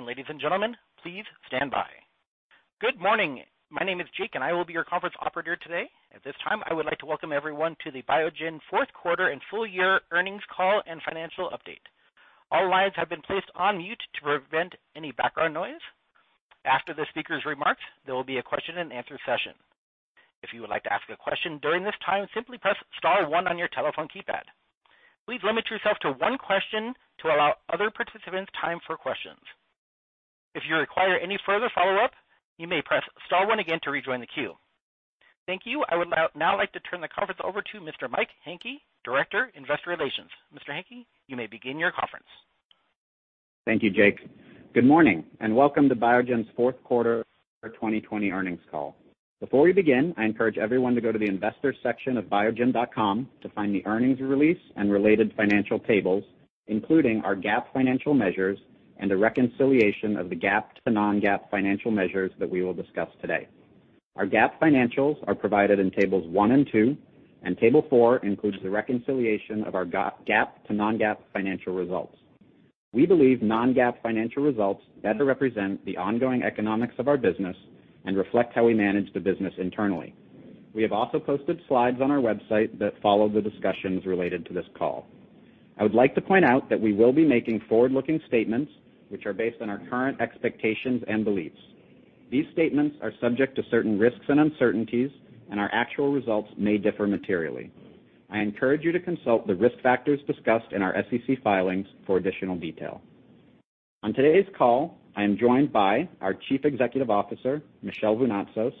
Ladies and gentlemen, please stand by. Good morning. My name is Jake and I will be your conference operator today. At this time, I would like to welcome everyone to the Biogen Fourth Quarter and Full Year Earnings Call and Financial Update. All lines have been placed on mute to prevent any background noise. After the speaker's remarks, there will be a question and answer session. If you would like to ask a question during this time, simply press star one on your telephone keypad. Please limit yourself to one question to allow other participants time for questions. If you require any further follow-up, you may press star one again to rejoin the queue. Thank you. I would now like to turn the conference over to Mr. Mike Hencke, Director, Investor Relations. Mr. Hencke, you may begin your conference. Thank you, Jake. Good morning. Welcome to Biogen's fourth quarter 2020 earnings call. Before we begin, I encourage everyone to go to the investors section of biogen.com to find the earnings release and related financial tables, including our GAAP financial measures and a reconciliation of the GAAP to non-GAAP financial measures that we will discuss today. Our GAAP financials are provided in tables one and two. Table four includes the reconciliation of our GAAP to non-GAAP financial results. We believe non-GAAP financial results better represent the ongoing economics of our business and reflect how we manage the business internally. We have also posted slides on our website that follow the discussions related to this call. I would like to point out that we will be making forward-looking statements, which are based on our current expectations and beliefs. These statements are subject to certain risks and uncertainties. Our actual results may differ materially. I encourage you to consult the risk factors discussed in our SEC filings for additional detail. On today's call, I am joined by our Chief Executive Officer, Michel Vounatsos,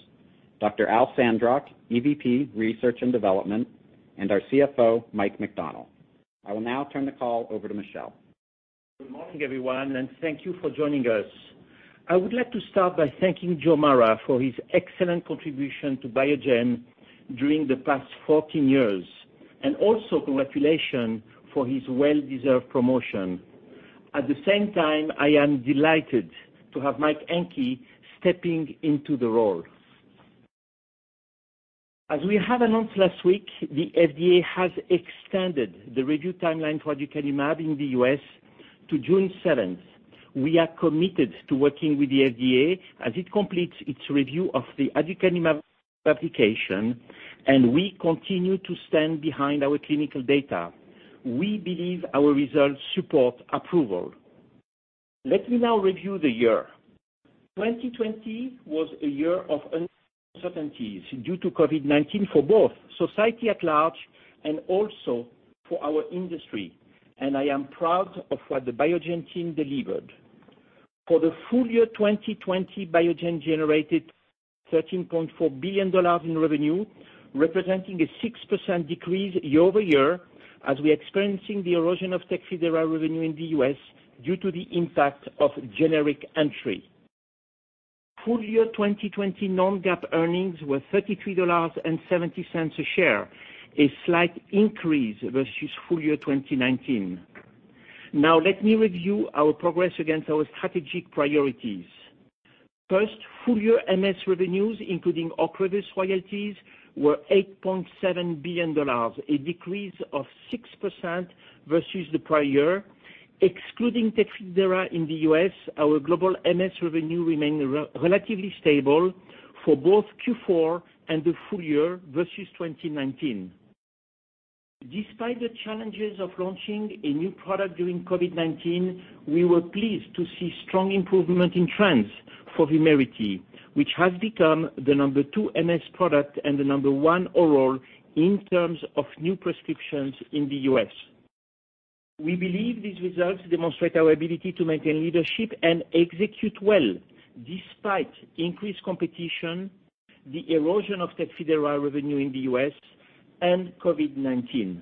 Dr. Al Sandrock, EVP, Research and Development, and our CFO, Mike McDonnell. I will now turn the call over to Michel. Good morning, everyone, and thank you for joining us. I would like to start by thanking Joe Mara for his excellent contribution to Biogen during the past 14 years, and also congratulations for his well-deserved promotion. At the same time, I am delighted to have Mike Hencke stepping into the role. As we have announced last week, the FDA has extended the review timeline for aducanumab in the U.S. to June 7th. We are committed to working with the FDA as it completes its review of the aducanumab application, and we continue to stand behind our clinical data. We believe our results support approval. Let me now review the year. 2020 was a year of uncertainties due to COVID-19 for both society at large and also for our industry, and I am proud of what the Biogen team delivered. For the full year 2020, Biogen generated $13.4 billion in revenue, representing a 6% decrease year-over-year as we are experiencing the erosion of TECFIDERA revenue in the U.S. due to the impact of generic entry. Full year 2020 non-GAAP earnings were $33.70 a share, a slight increase versus full year 2019. Let me review our progress against our strategic priorities. First, full year MS revenues, including OCREVUS royalties, were $8.7 billion, a decrease of 6% versus the prior year. Excluding TECFIDERA in the U.S., our global MS revenue remained relatively stable for both Q4 and the full year versus 2019. Despite the challenges of launching a new product during COVID-19, we were pleased to see strong improvement in trends for VUMERITY, which has become the number two MS product and the number one oral in terms of new prescriptions in the U.S. We believe these results demonstrate our ability to maintain leadership and execute well despite increased competition, the erosion of TECFIDERA revenue in the U.S., and COVID-19.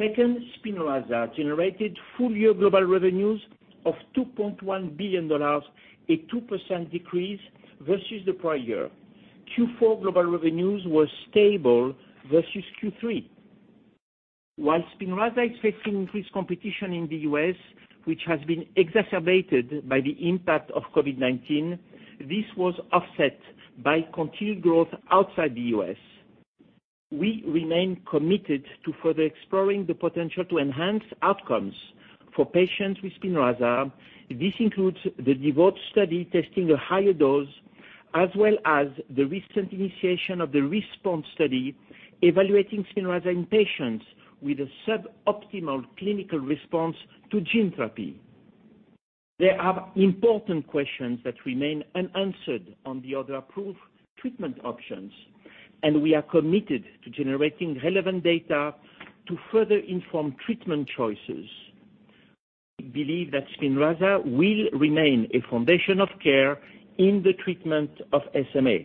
Second, SPINRAZA generated full-year global revenues of $2.1 billion, a 2% decrease versus the prior year. Q4 global revenues were stable versus Q3. While SPINRAZA is facing increased competition in the U.S., which has been exacerbated by the impact of COVID-19, this was offset by continued growth outside the U.S. We remain committed to further exploring the potential to enhance outcomes for patients with SPINRAZA. This includes the DEVOTE study testing a higher dose, as well as the recent initiation of the RESPOND study evaluating SPINRAZA in patients with a suboptimal clinical response to gene therapy. There are important questions that remain unanswered on the other approved treatment options, and we are committed to generating relevant data to further inform treatment choices. We believe that SPINRAZA will remain a foundation of care in the treatment of SMA.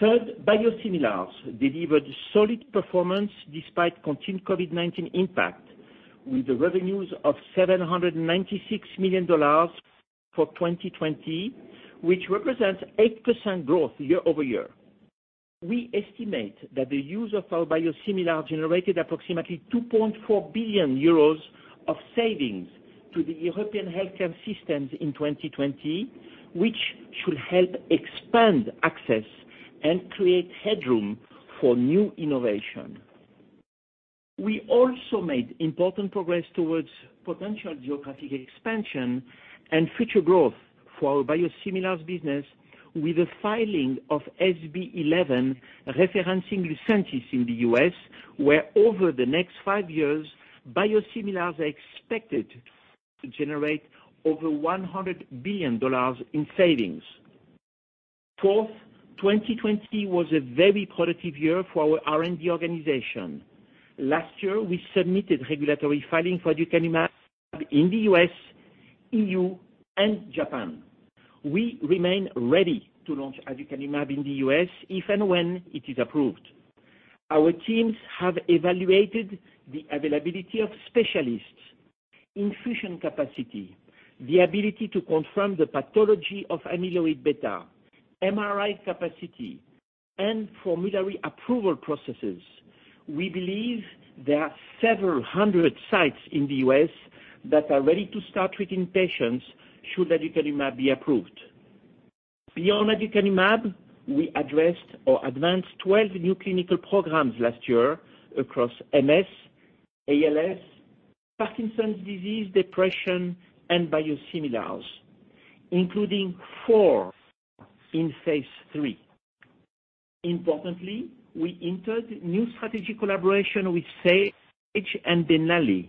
Third, biosimilars delivered solid performance despite continued COVID-19 impact, with revenues of $796 million for 2020, which represents 8% growth year-over-year. We estimate that the use of our biosimilar generated approximately 2.4 billion euros of savings to the European healthcare systems in 2020, which should help expand access and create headroom for new innovation. We also made important progress towards potential geographic expansion and future growth for our biosimilars business with the filing of SB11 referencing Lucentis in the U.S., where over the next five years, biosimilars are expected to generate over $100 billion in savings. Fourth, 2020 was a very productive year for our R&D organization. Last year, we submitted regulatory filing for aducanumab in the U.S., EU, and Japan. We remain ready to launch aducanumab in the U.S. if and when it is approved. Our teams have evaluated the availability of specialists, infusion capacity, the ability to confirm the pathology of amyloid beta, MRI capacity, and formulary approval processes. We believe there are several hundred sites in the U.S. that are ready to start treating patients should aducanumab be approved. Beyond aducanumab, we addressed or advanced 12 new clinical programs last year across MS, ALS, Parkinson's disease, depression, and biosimilars, including four in phase III. Importantly, we entered new strategy collaboration with Sage and Denali,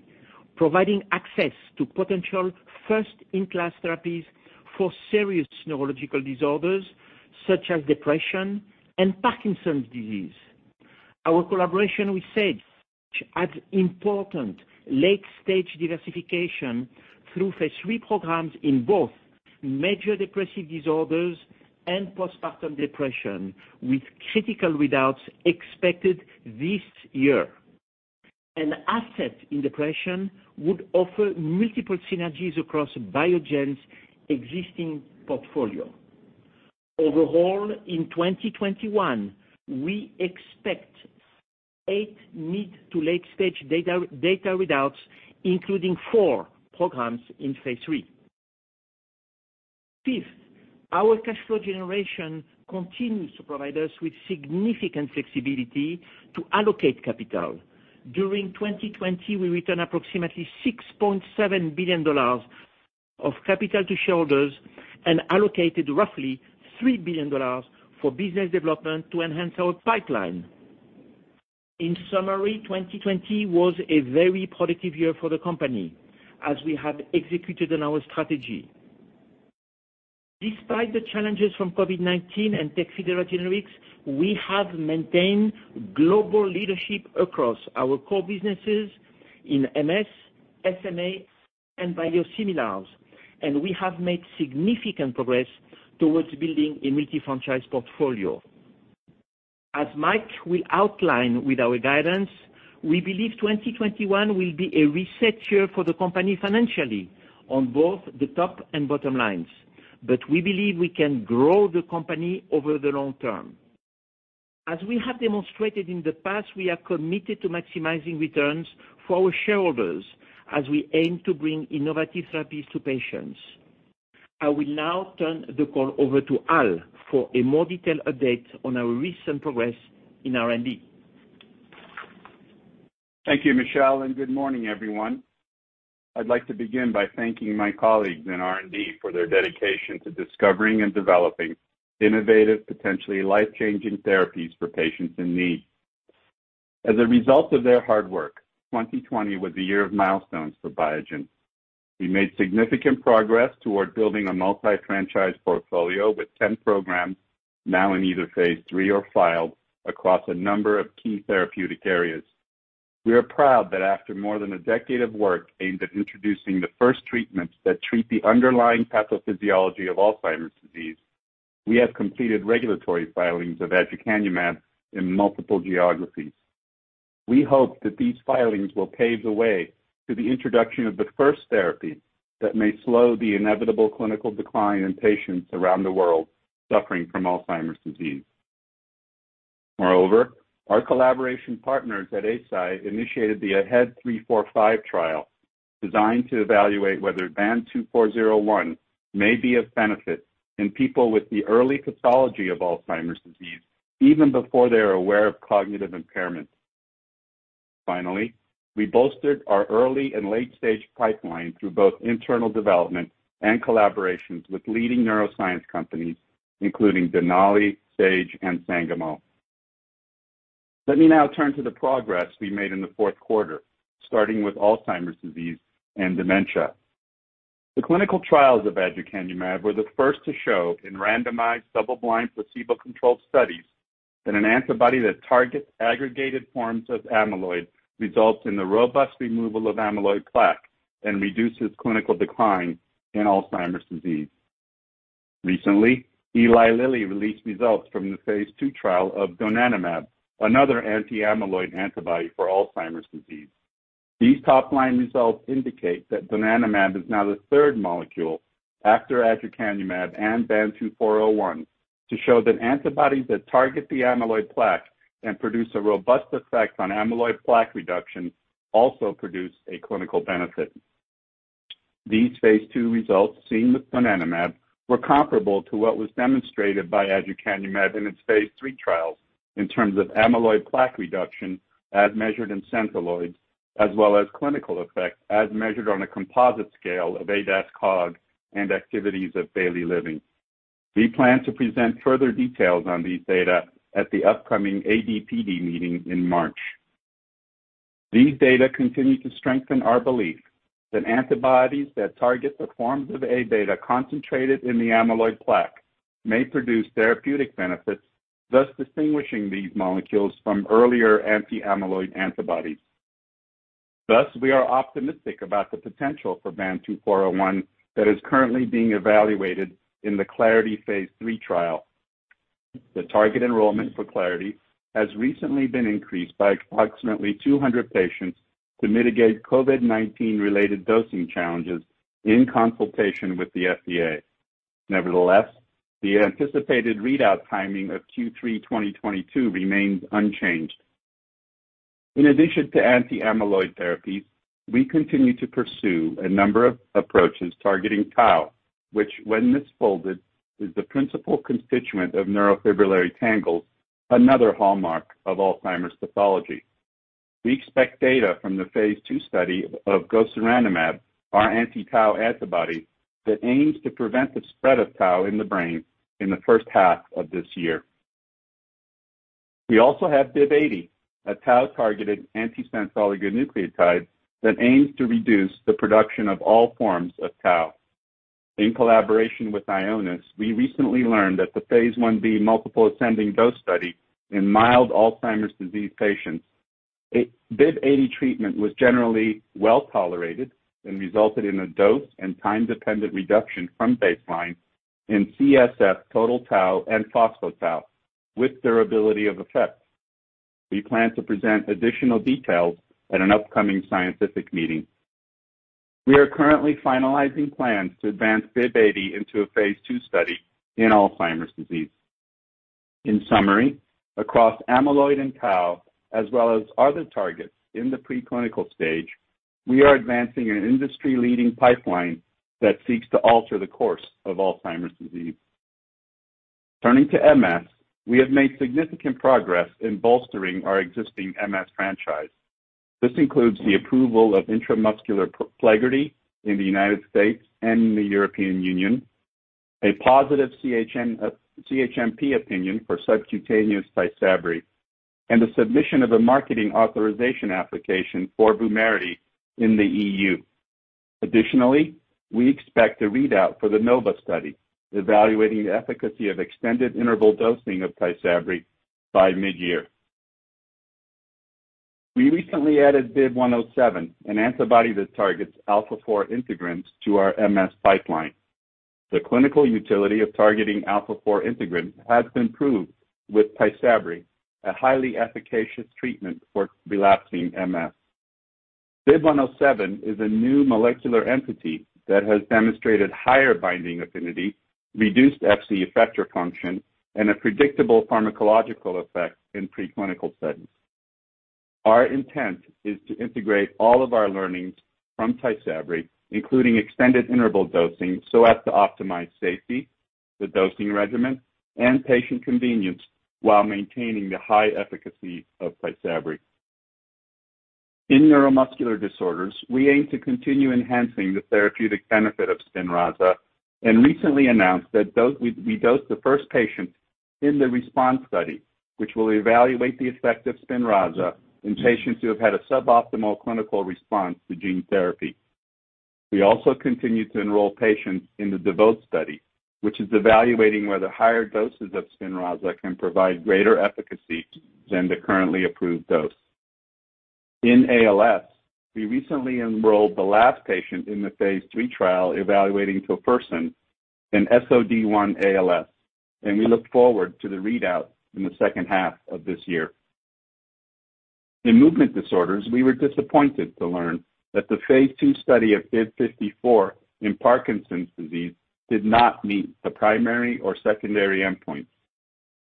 providing access to potential first-in-class therapies for serious neurological disorders such as depression and Parkinson's disease. Our collaboration with Sage adds important late-stage diversification through phase III programs in both major depressive disorders and postpartum depression, with critical readouts expected this year. An asset in depression would offer multiple synergies across Biogen's existing portfolio. Overall, in 2021, we expect eight mid- to late-stage data readouts, including four programs in phase III. Fifth, our cash flow generation continues to provide us with significant flexibility to allocate capital. During 2020, we returned approximately $6.7 billion of capital to shareholders and allocated roughly $3 billion for business development to enhance our pipeline. In summary, 2020 was a very productive year for the company as we have executed on our strategy. Despite the challenges from COVID-19 and TECFIDERA generics, we have maintained global leadership across our core businesses in MS, SMA, and biosimilars, and we have made significant progress towards building a multi-franchise portfolio. As Mike will outline with our guidance, we believe 2021 will be a reset year for the company financially on both the top and bottom lines. We believe we can grow the company over the long term. As we have demonstrated in the past, we are committed to maximizing returns for our shareholders as we aim to bring innovative therapies to patients. I will now turn the call over to Al for a more detailed update on our recent progress in R&D. Thank you, Michel. Good morning, everyone. I'd like to begin by thanking my colleagues in R&D for their dedication to discovering and developing innovative, potentially life-changing therapies for patients in need. As a result of their hard work, 2020 was a year of milestones for Biogen. We made significant progress toward building a multi-franchise portfolio with 10 programs now in either phase III or filed across a number of key therapeutic areas. We are proud that after more than a decade of work aimed at introducing the first treatments that treat the underlying pathophysiology of Alzheimer's disease, we have completed regulatory filings of aducanumab in multiple geographies. We hope that these filings will pave the way to the introduction of the first therapy that may slow the inevitable clinical decline in patients around the world suffering from Alzheimer's disease. Our collaboration partners at Eisai initiated the AHEAD 3-45 trial designed to evaluate whether BAN2401 may be of benefit in people with the early pathology of Alzheimer's disease even before they are aware of cognitive impairment. Finally, we bolstered our early- and late-stage pipeline through both internal development and collaborations with leading neuroscience companies including Denali, Sage, and Sangamo. Let me now turn to the progress we made in the fourth quarter, starting with Alzheimer's disease and dementia. The clinical trials of aducanumab were the first to show in randomized, double-blind, placebo-controlled studies that an antibody that targets aggregated forms of amyloid results in the robust removal of amyloid plaque and reduces clinical decline in Alzheimer's disease. Recently, Eli Lilly released results from the phase II trial of donanemab, another anti-amyloid antibody for Alzheimer's disease. These top-line results indicate that donanemab is now the third molecule after aducanumab and BAN2401 to show that antibodies that target the amyloid plaque and produce a robust effect on amyloid plaque reduction also produce a clinical benefit. These phase II results seen with donanemab were comparable to what was demonstrated by aducanumab in its phase III trials in terms of amyloid plaque reduction as measured in Centiloids, as well as clinical effect, as measured on a composite scale of ADAS-Cog and Activities of Daily Living. We plan to present further details on these data at the upcoming ADPD meeting in March. These data continue to strengthen our belief that antibodies that target the forms of A-beta concentrated in the amyloid plaque may produce therapeutic benefits, thus distinguishing these molecules from earlier anti-amyloid antibodies. We are optimistic about the potential for BAN2401 that is currently being evaluated in the Clarity phase III trial. The target enrollment for Clarity has recently been increased by approximately 200 patients to mitigate COVID-19 related dosing challenges in consultation with the FDA. Nevertheless, the anticipated readout timing of Q3 2022 remains unchanged. In addition to anti-amyloid therapies, we continue to pursue a number of approaches targeting tau, which when misfolded is the principal constituent of neurofibrillary tangles, another hallmark of Alzheimer's pathology. We expect data from the phase II study of gosuranemab, our anti-tau antibody, that aims to prevent the spread of tau in the brain, in the first half of this year. We also have BIIB080, a tau-targeted antisense oligonucleotide that aims to reduce the production of all forms of tau. In collaboration with Ionis, we recently learned that the phase I-B multiple ascending dose study in mild Alzheimer's disease patients, BIIB080 treatment was generally well-tolerated and resulted in a dose and time-dependent reduction from baseline in CSF, total tau, and phospho-tau with durability of effect. We plan to present additional details at an upcoming scientific meeting. We are currently finalizing plans to advance BIIB080 into a phase II study in Alzheimer's disease. In summary, across amyloid and tau, as well as other targets in the pre-clinical stage, we are advancing an industry-leading pipeline that seeks to alter the course of Alzheimer's disease. Turning to MS, we have made significant progress in bolstering our existing MS franchise. This includes the approval of intramuscular PLEGRIDY in the United States and the European Union, a positive CHMP opinion for subcutaneous TYSABRI, and the submission of a marketing authorization application for VUMERITY in the EU. Additionally, we expect a readout for the NOVA study evaluating the efficacy of extended interval dosing of TYSABRI by mid-year. We recently added BIIB107, an antibody that targets alpha-4 integrins, to our MS pipeline. The clinical utility of targeting alpha-4 integrin has been proved with TYSABRI, a highly efficacious treatment for relapsing MS. BIIB107 is a new molecular entity that has demonstrated higher binding affinity, reduced Fc effector function, and a predictable pharmacological effect in pre-clinical studies. Our intent is to integrate all of our learnings from TYSABRI, including extended interval dosing, so as to optimize safety, the dosing regimen, and patient convenience while maintaining the high efficacy of TYSABRI. In neuromuscular disorders, we aim to continue enhancing the therapeutic benefit of SPINRAZA and recently announced that we dosed the first patient in the RESPOND study, which will evaluate the effect of SPINRAZA in patients who have had a suboptimal clinical response to gene therapy. We also continue to enroll patients in the DEVOTE study, which is evaluating whether higher doses of SPINRAZA can provide greater efficacy than the currently approved dose. In ALS, we recently enrolled the last patient in the phase III trial evaluating tofersen in SOD1 ALS. We look forward to the readout in the second half of this year. In movement disorders, we were disappointed to learn that the phase II study of BIIB054 in Parkinson's disease did not meet the primary or secondary endpoints.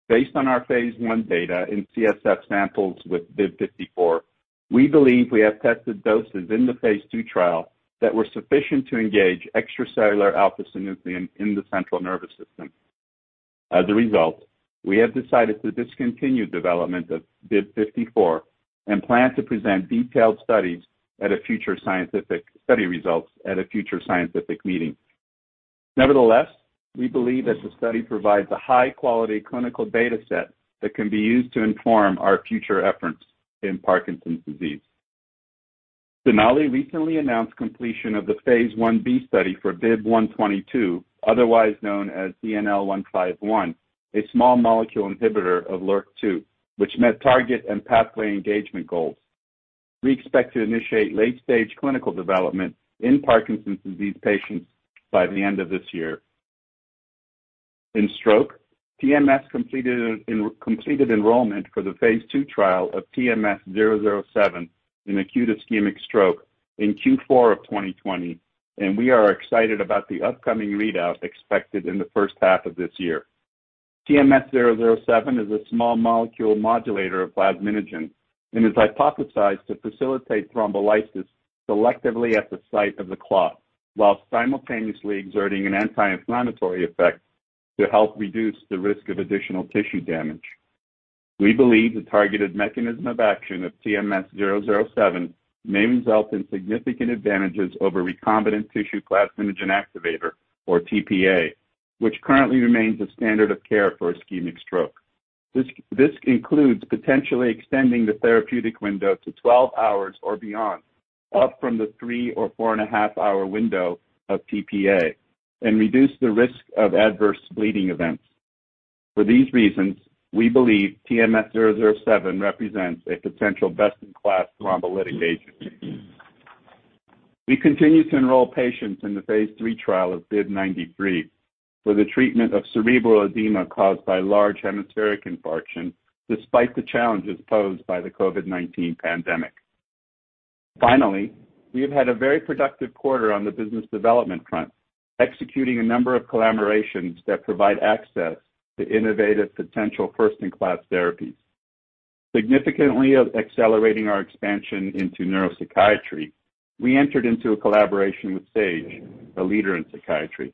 Based on our phase I data in CSF samples with BIIB054, we believe we have tested doses in the phase II trial that were sufficient to engage extracellular alpha-synuclein in the central nervous system. As a result, we have decided to discontinue development of BIIB054 and plan to present detailed study results at a future scientific meeting. Nevertheless, we believe that the study provides a high-quality clinical data set that can be used to inform our future efforts in Parkinson's disease. Denali recently announced completion of the phase I-B study for BIIB122, otherwise known as DNL151, a small molecule inhibitor of LRRK2, which met target and pathway engagement goals. We expect to initiate late-stage clinical development in Parkinson's disease patients by the end of this year. In stroke, TMS completed enrollment for the phase II trial of TMS-007 in acute ischemic stroke in Q4 of 2020, and we are excited about the upcoming readout expected in the first half of this year. TMS-007 is a small molecule modulator of plasminogen and is hypothesized to facilitate thrombolysis selectively at the site of the clot, while simultaneously exerting an anti-inflammatory effect to help reduce the risk of additional tissue damage. We believe the targeted mechanism of action of TMS-007 may result in significant advantages over recombinant tissue plasminogen activator, or tPA, which currently remains the standard of care for ischemic stroke. This includes potentially extending the therapeutic window to 12 hours or beyond, up from the three or four and a half hour window of tPA, and reduce the risk of adverse bleeding events. For these reasons, we believe TMS-007 represents a potential best-in-class thrombolytic agent. We continue to enroll patients in the phase III trial of BIIB093 for the treatment of cerebral edema caused by large hemispheric infarction, despite the challenges posed by the COVID-19 pandemic. Finally, we have had a very productive quarter on the business development front, executing a number of collaborations that provide access to innovative potential first-in-class therapies. Significantly accelerating our expansion into neuropsychiatry, we entered into a collaboration with Sage, a leader in psychiatry.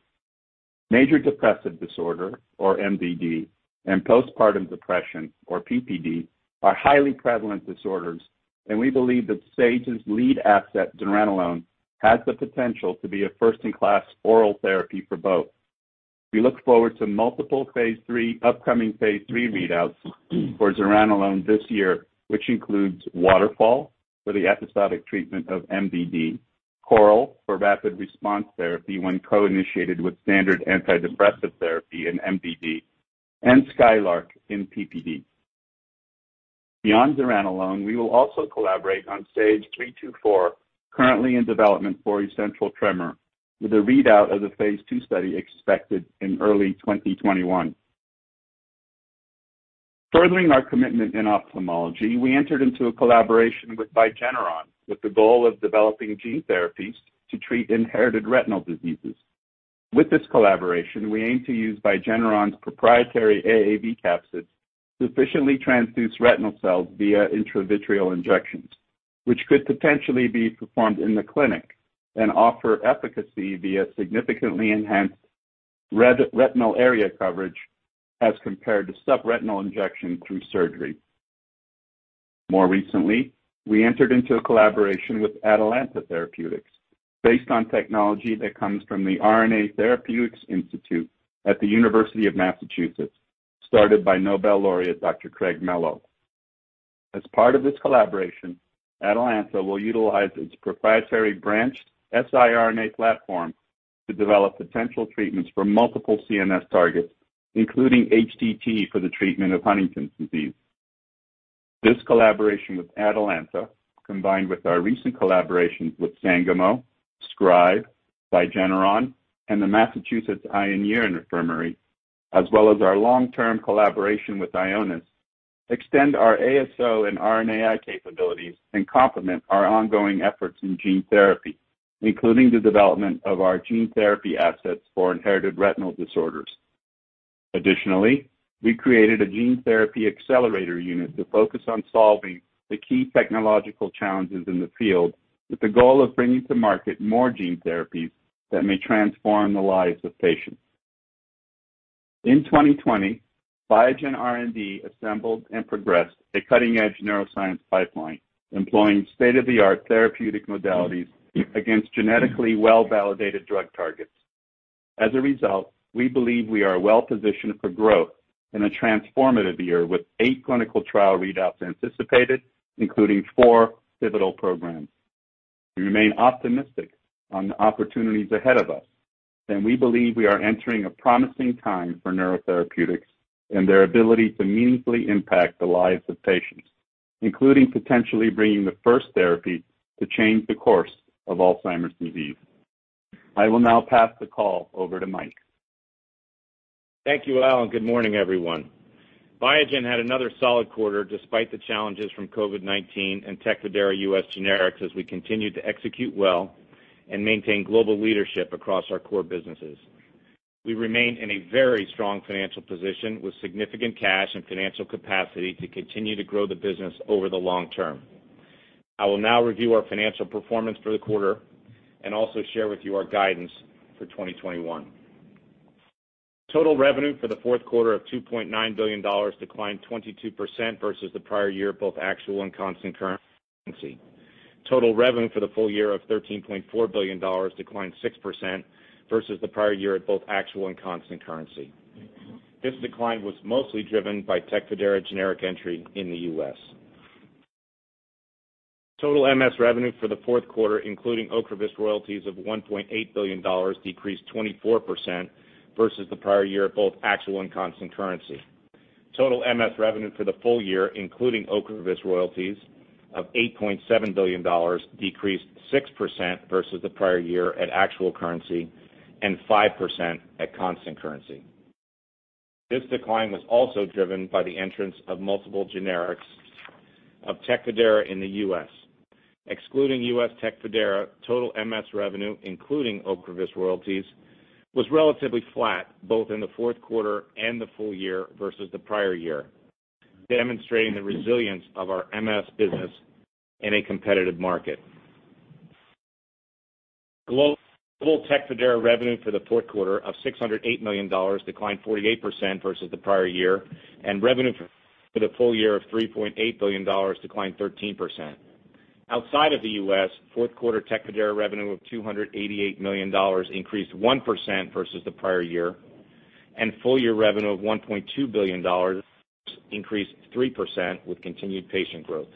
Major depressive disorder, or MDD, and postpartum depression, or PPD, are highly prevalent disorders, and we believe that Sage's lead asset, zuranolone, has the potential to be a first-in-class oral therapy for both. We look forward to multiple upcoming phase III readouts for zuranolone this year, which includes WATERFALL for the episodic treatment of MDD, CORAL for rapid response therapy when co-initiated with standard antidepressive therapy in MDD, and SKYLARK in PPD. Beyond zuranolone, we will also collaborate on SAGE-324, currently in development for essential tremor, with a readout of the phase II study expected in early 2021. Furthering our commitment in ophthalmology, we entered into a collaboration with ViGeneron with the goal of developing gene therapies to treat inherited retinal diseases. With this collaboration, we aim to use ViGeneron's proprietary AAV capsid to efficiently transduce retinal cells via intravitreal injections, which could potentially be performed in the clinic and offer efficacy via significantly enhanced retinal area coverage as compared to subretinal injection through surgery. More recently, we entered into a collaboration with Atalanta Therapeutics based on technology that comes from the RNA Therapeutics Institute at the University of Massachusetts, started by Nobel laureate Dr. Craig Mello. As part of this collaboration, Atalanta will utilize its proprietary branched siRNA platform to develop potential treatments for multiple CNS targets, including HTT for the treatment of Huntington's disease. This collaboration with Atalanta, combined with our recent collaborations with Sangamo, Scribe, ViGeneron, and the Massachusetts Eye and Ear Infirmary, as well as our long-term collaboration with Ionis, extend our ASO and RNAi capabilities and complement our ongoing efforts in gene therapy, including the development of our gene therapy assets for inherited retinal disorders. Additionally, we created a gene therapy accelerator unit to focus on solving the key technological challenges in the field, with the goal of bringing to market more gene therapies that may transform the lives of patients. In 2020, Biogen R&D assembled and progressed a cutting-edge neuroscience pipeline employing state-of-the-art therapeutic modalities against genetically well-validated drug targets. As a result, we believe we are well positioned for growth in a transformative year with eight clinical trial readouts anticipated, including four pivotal programs. We remain optimistic on the opportunities ahead of us, and we believe we are entering a promising time for neurotherapeutics and their ability to meaningfully impact the lives of patients, including potentially bringing the first therapy to change the course of Alzheimer's disease. I will now pass the call over to Mike. Thank you, Al, and good morning, everyone. Biogen had another solid quarter despite the challenges from COVID-19 and TECFIDERA U.S. generics as we continued to execute well and maintain global leadership across our core businesses. We remain in a very strong financial position with significant cash and financial capacity to continue to grow the business over the long term. I will now review our financial performance for the quarter and also share with you our guidance for 2021. Total revenue for the fourth quarter of $2.9 billion declined 22% versus the prior year, both actual and constant currency. Total revenue for the full year of $13.4 billion declined 6% versus the prior year at both actual and constant currency. This decline was mostly driven by TECFIDERA generic entry in the U.S. Total MS revenue for the fourth quarter including OCREVUS royalties of $1.8 billion decreased 24% versus the prior year at both actual and constant currency. Total MS revenue for the full year including OCREVUS royalties of $8.7 billion decreased 6% versus the prior year at actual currency and 5% at constant currency. This decline was also driven by the entrance of multiple generics of TECFIDERA in the U.S. Excluding U.S. TECFIDERA, total MS revenue, including OCREVUS royalties, was relatively flat both in the fourth quarter and the full year versus the prior year, demonstrating the resilience of our MS business in a competitive market. Global TECFIDERA revenue for the fourth quarter of $608 million declined 48% versus the prior year, and revenue for the full year of $3.8 billion declined 13%. Outside of the U.S., fourth quarter TECFIDERA revenue of $288 million increased 1% versus the prior year, and full year revenue of $1.2 billion increased 3% with continued patient growth.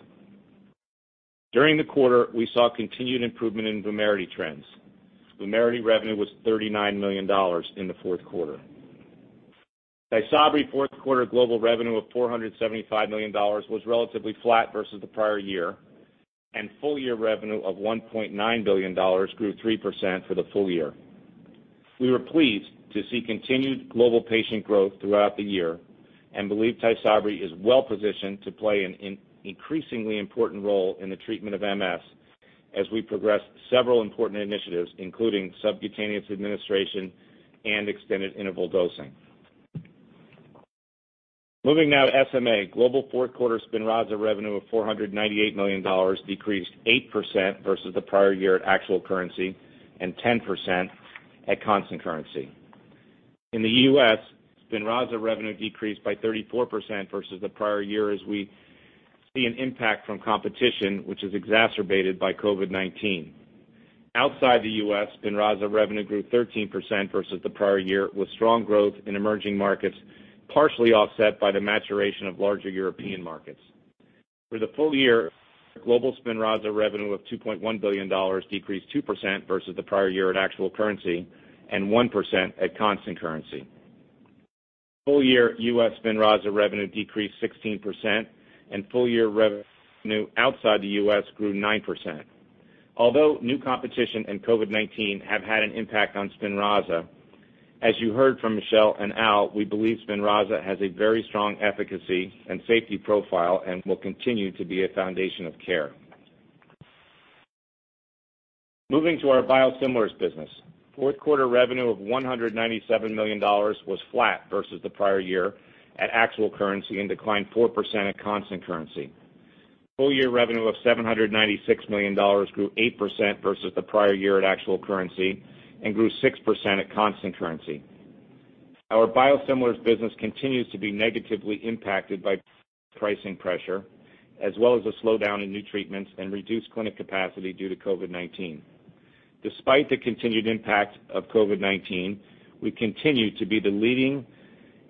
During the quarter, we saw continued improvement in VUMERITY trends. VUMERITY revenue was $39 million in the fourth quarter. TYSABRI fourth quarter global revenue of $475 million was relatively flat versus the prior year, and full year revenue of $1.9 billion grew 3% for the full year. We were pleased to see continued global patient growth throughout the year and believe TYSABRI is well-positioned to play an increasingly important role in the treatment of MS as we progress several important initiatives, including subcutaneous administration and extended interval dosing. Moving now to SMA. Global fourth quarter SPINRAZA revenue of $498 million decreased 8% versus the prior year at actual currency and 10% at constant currency. In the U.S., SPINRAZA revenue decreased by 34% versus the prior year as we see an impact from competition, which is exacerbated by COVID-19. Outside the U.S., SPINRAZA revenue grew 13% versus the prior year, with strong growth in emerging markets, partially offset by the maturation of larger European markets. For the full year, global SPINRAZA revenue of $2.1 billion decreased 2% versus the prior year at actual currency and 1% at constant currency. Full year U.S. SPINRAZA revenue decreased 16%, and full year revenue outside the U.S. grew 9%. Although new competition and COVID-19 have had an impact on SPINRAZA, as you heard from Michel and Al, we believe SPINRAZA has a very strong efficacy and safety profile and will continue to be a foundation of care. Moving to our biosimilars business. Fourth quarter revenue of $197 million was flat versus the prior year at actual currency and declined 4% at constant currency. Full year revenue of $796 million grew 8% versus the prior year at actual currency and grew 6% at constant currency. Our biosimilars business continues to be negatively impacted by pricing pressure, as well as a slowdown in new treatments and reduced clinic capacity due to COVID-19. Despite the continued impact of COVID-19, we continue to be the leading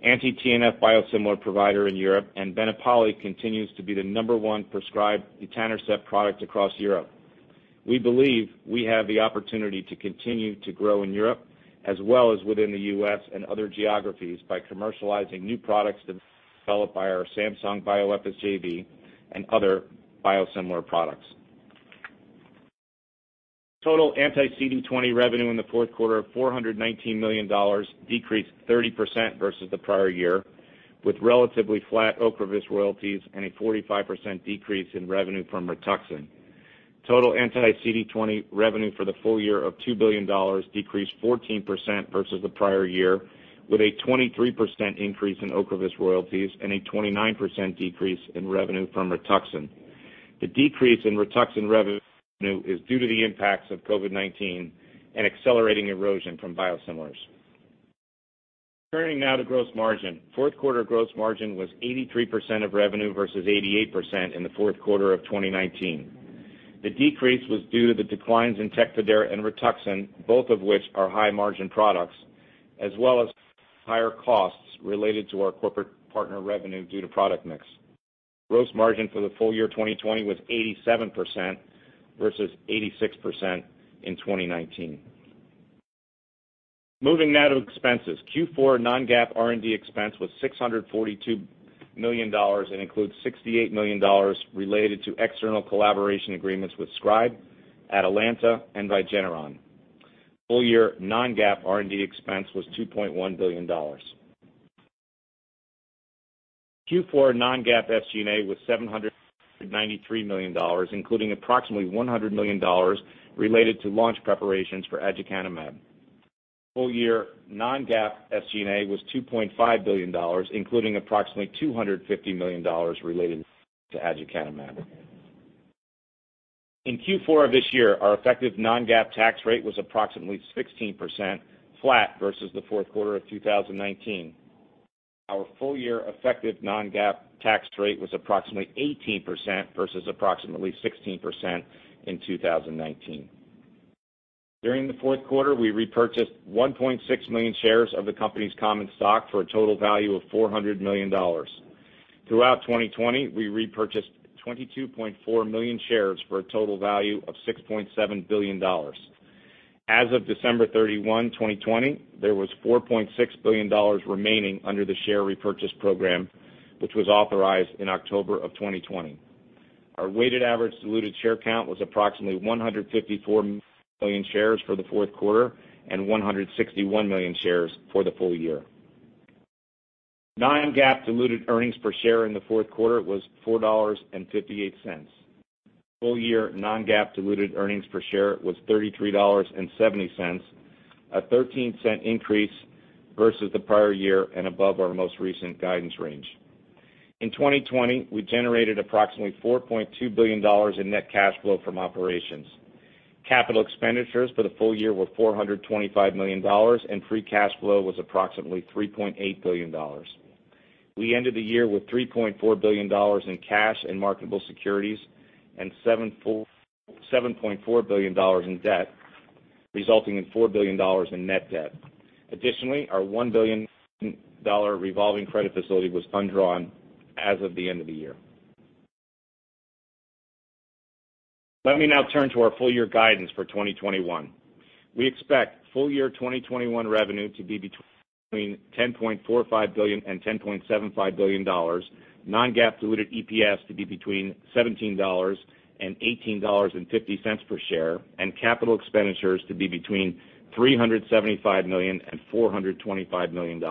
anti-TNF biosimilar provider in Europe, and BENEPALI continues to be the number one prescribed etanercept product across Europe. We believe we have the opportunity to continue to grow in Europe as well as within the U.S. and other geographies by commercializing new products developed by our Samsung Bioepis JV and other biosimilar products. Total anti-CD20 revenue in the fourth quarter of $419 million decreased 30% versus the prior year, with relatively flat OCREVUS royalties and a 45% decrease in revenue from RITUXAN. Total anti-CD20 revenue for the full year of $2 billion decreased 14% versus the prior year, with a 23% increase in OCREVUS royalties and a 29% decrease in revenue from RITUXAN. The decrease in RITUXAN revenue is due to the impacts of COVID-19 and accelerating erosion from biosimilars. Turning now to gross margin. Fourth quarter gross margin was 83% of revenue versus 88% in the fourth quarter of 2019. The decrease was due to the declines in TECFIDERA and RITUXAN, both of which are high-margin products, as well as higher costs related to our corporate partner revenue due to product mix. Gross margin for the full year 2020 was 87% versus 86% in 2019. Moving now to expenses. Q4 non-GAAP R&D expense was $642 million and includes $68 million related to external collaboration agreements with Scribe, Atalanta, and Regeneron. Full year non-GAAP R&D expense was $2.1 billion. Q4 non-GAAP SG&A was $793 million, including approximately $100 million related to launch preparations for aducanumab. Full year non-GAAP SG&A was $2.5 billion, including approximately $250 million related to aducanumab. In Q4 of this year, our effective non-GAAP tax rate was approximately 16%, flat versus the fourth quarter of 2019. Our full-year effective non-GAAP tax rate was approximately 18% versus approximately 16% in 2019. During the fourth quarter, we repurchased 1.6 million shares of the company's common stock for a total value of $400 million. Throughout 2020, we repurchased 22.4 million shares for a total value of $6.7 billion. As of December 31, 2020, there was $4.6 billion remaining under the share repurchase program, which was authorized in October of 2020. Our weighted average diluted share count was approximately 154 million shares for the fourth quarter and 161 million shares for the full year. Non-GAAP diluted earnings per share in the fourth quarter was $4.58. Full year non-GAAP diluted earnings per share was $33.70, a $0.13 increase versus the prior year and above our most recent guidance range. In 2020, we generated approximately $4.2 billion in net cash flow from operations. Capital expenditures for the full year were $425 million, and free cash flow was approximately $3.8 billion. We ended the year with $3.4 billion in cash and marketable securities and $7.4 billion in debt, resulting in $4 billion in net debt. Additionally, our $1 billion revolving credit facility was undrawn as of the end of the year. Let me now turn to our full year guidance for 2021. We expect full year 2021 revenue to be between $10.45 billion and $10.75 billion, non-GAAP diluted EPS to be between $17 and $18.50 per share, and capital expenditures to be between $375 million and $425 million.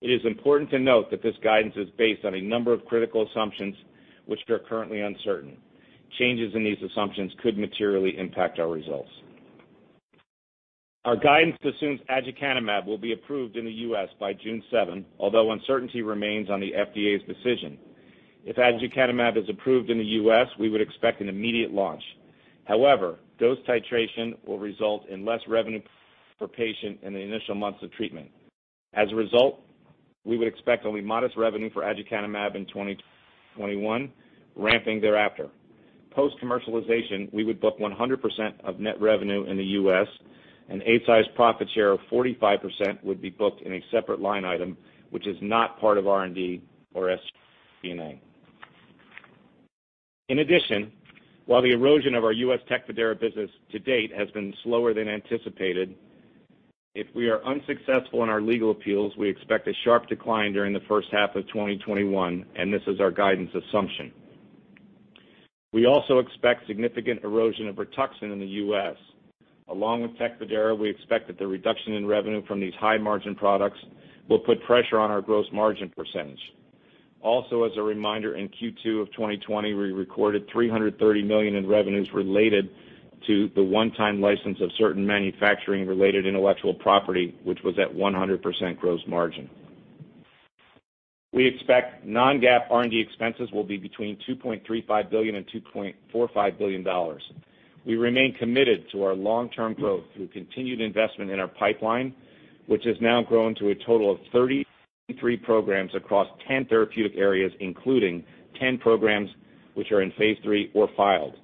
It is important to note that this guidance is based on a number of critical assumptions, which are currently uncertain. Changes in these assumptions could materially impact our results. Our guidance assumes aducanumab will be approved in the U.S. by June 7, although uncertainty remains on the FDA's decision. If aducanumab is approved in the U.S., we would expect an immediate launch. However, dose titration will result in less revenue per patient in the initial months of treatment. As a result, we would expect only modest revenue for aducanumab in 2021, ramping thereafter. Post-commercialization, we would book 100% of net revenue in the U.S., and Eisai's profit share of 45% would be booked in a separate line item, which is not part of R&D or SG&A. In addition, while the erosion of our U.S. TECFIDERA business to date has been slower than anticipated, if we are unsuccessful in our legal appeals, we expect a sharp decline during the first half of 2021. This is our guidance assumption. We also expect significant erosion of RITUXAN in the U.S. Along with TECFIDERA, we expect that the reduction in revenue from these high-margin products will put pressure on our gross margin percentage. Also as a reminder, in Q2 of 2020, we recorded $330 million in revenues related to the one-time license of certain manufacturing-related intellectual property, which was at 100% gross margin. We expect non-GAAP R&D expenses will be between $2.35 billion and $2.45 billion. We remain committed to our long-term growth through continued investment in our pipeline, which has now grown to a total of 33 programs across 10 therapeutic areas, including 10 programs which are in phase III or filed.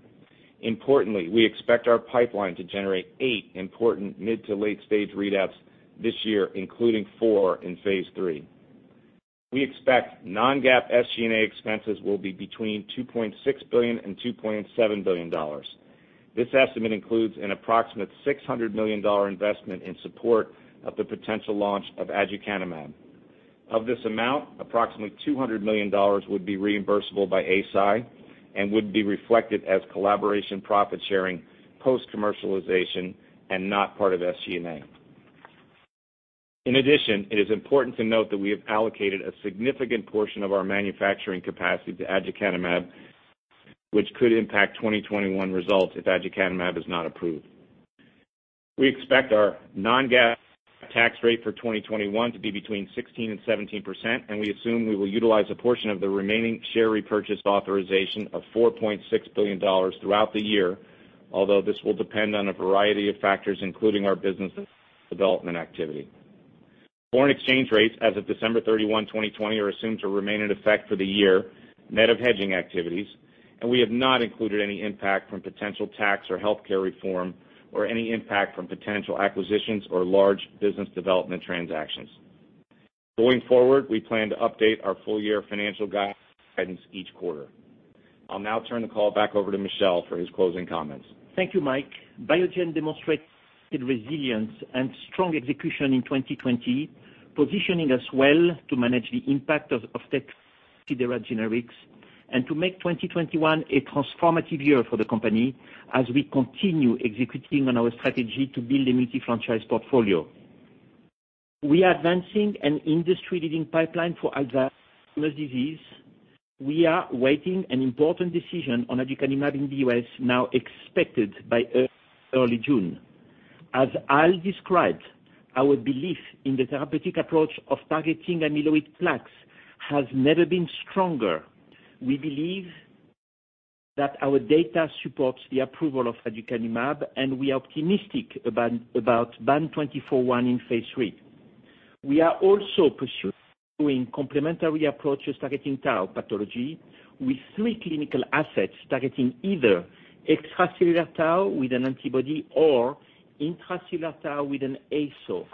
Importantly, we expect our pipeline to generate eight important mid to late-stage readouts this year, including four in phase III. We expect non-GAAP SG&A expenses will be between $2.6 billion and $2.7 billion. This estimate includes an approximate $600 million investment in support of the potential launch of aducanumab. Of this amount, approximately $200 million would be reimbursable by Eisai and would be reflected as collaboration profit sharing post-commercialization and not part of SG&A. In addition, it is important to note that we have allocated a significant portion of our manufacturing capacity to aducanumab, which could impact 2021 results if aducanumab is not approved. We expect our non-GAAP tax rate for 2021 to be between 16% and 17%, and we assume we will utilize a portion of the remaining share repurchase authorization of $4.6 billion throughout the year, although this will depend on a variety of factors, including our business development activity. Foreign exchange rates as of December 31, 2020, are assumed to remain in effect for the year, net of hedging activities, and we have not included any impact from potential tax or healthcare reform or any impact from potential acquisitions or large business development transactions. Going forward, we plan to update our full-year financial guidance each quarter. I'll now turn the call back over to Michel for his closing comments. Thank you, Mike. Biogen demonstrated resilience and strong execution in 2020, positioning us well to manage the impact of TECFIDERA generics and to make 2021 a transformative year for the company as we continue executing on our strategy to build a multi-franchise portfolio. We are advancing an industry-leading pipeline for Alzheimer's disease. We are waiting an important decision on aducanumab in the U.S. now expected by early June. As Al described, our belief in the therapeutic approach of targeting amyloid plaques has never been stronger. We believe that our data supports the approval of aducanumab, and we are optimistic about BAN2401 in phase III. We are also pursuing complementary approaches targeting tau pathology with three clinical assets targeting either extracellular tau with an antibody or intracellular tau with an ASO.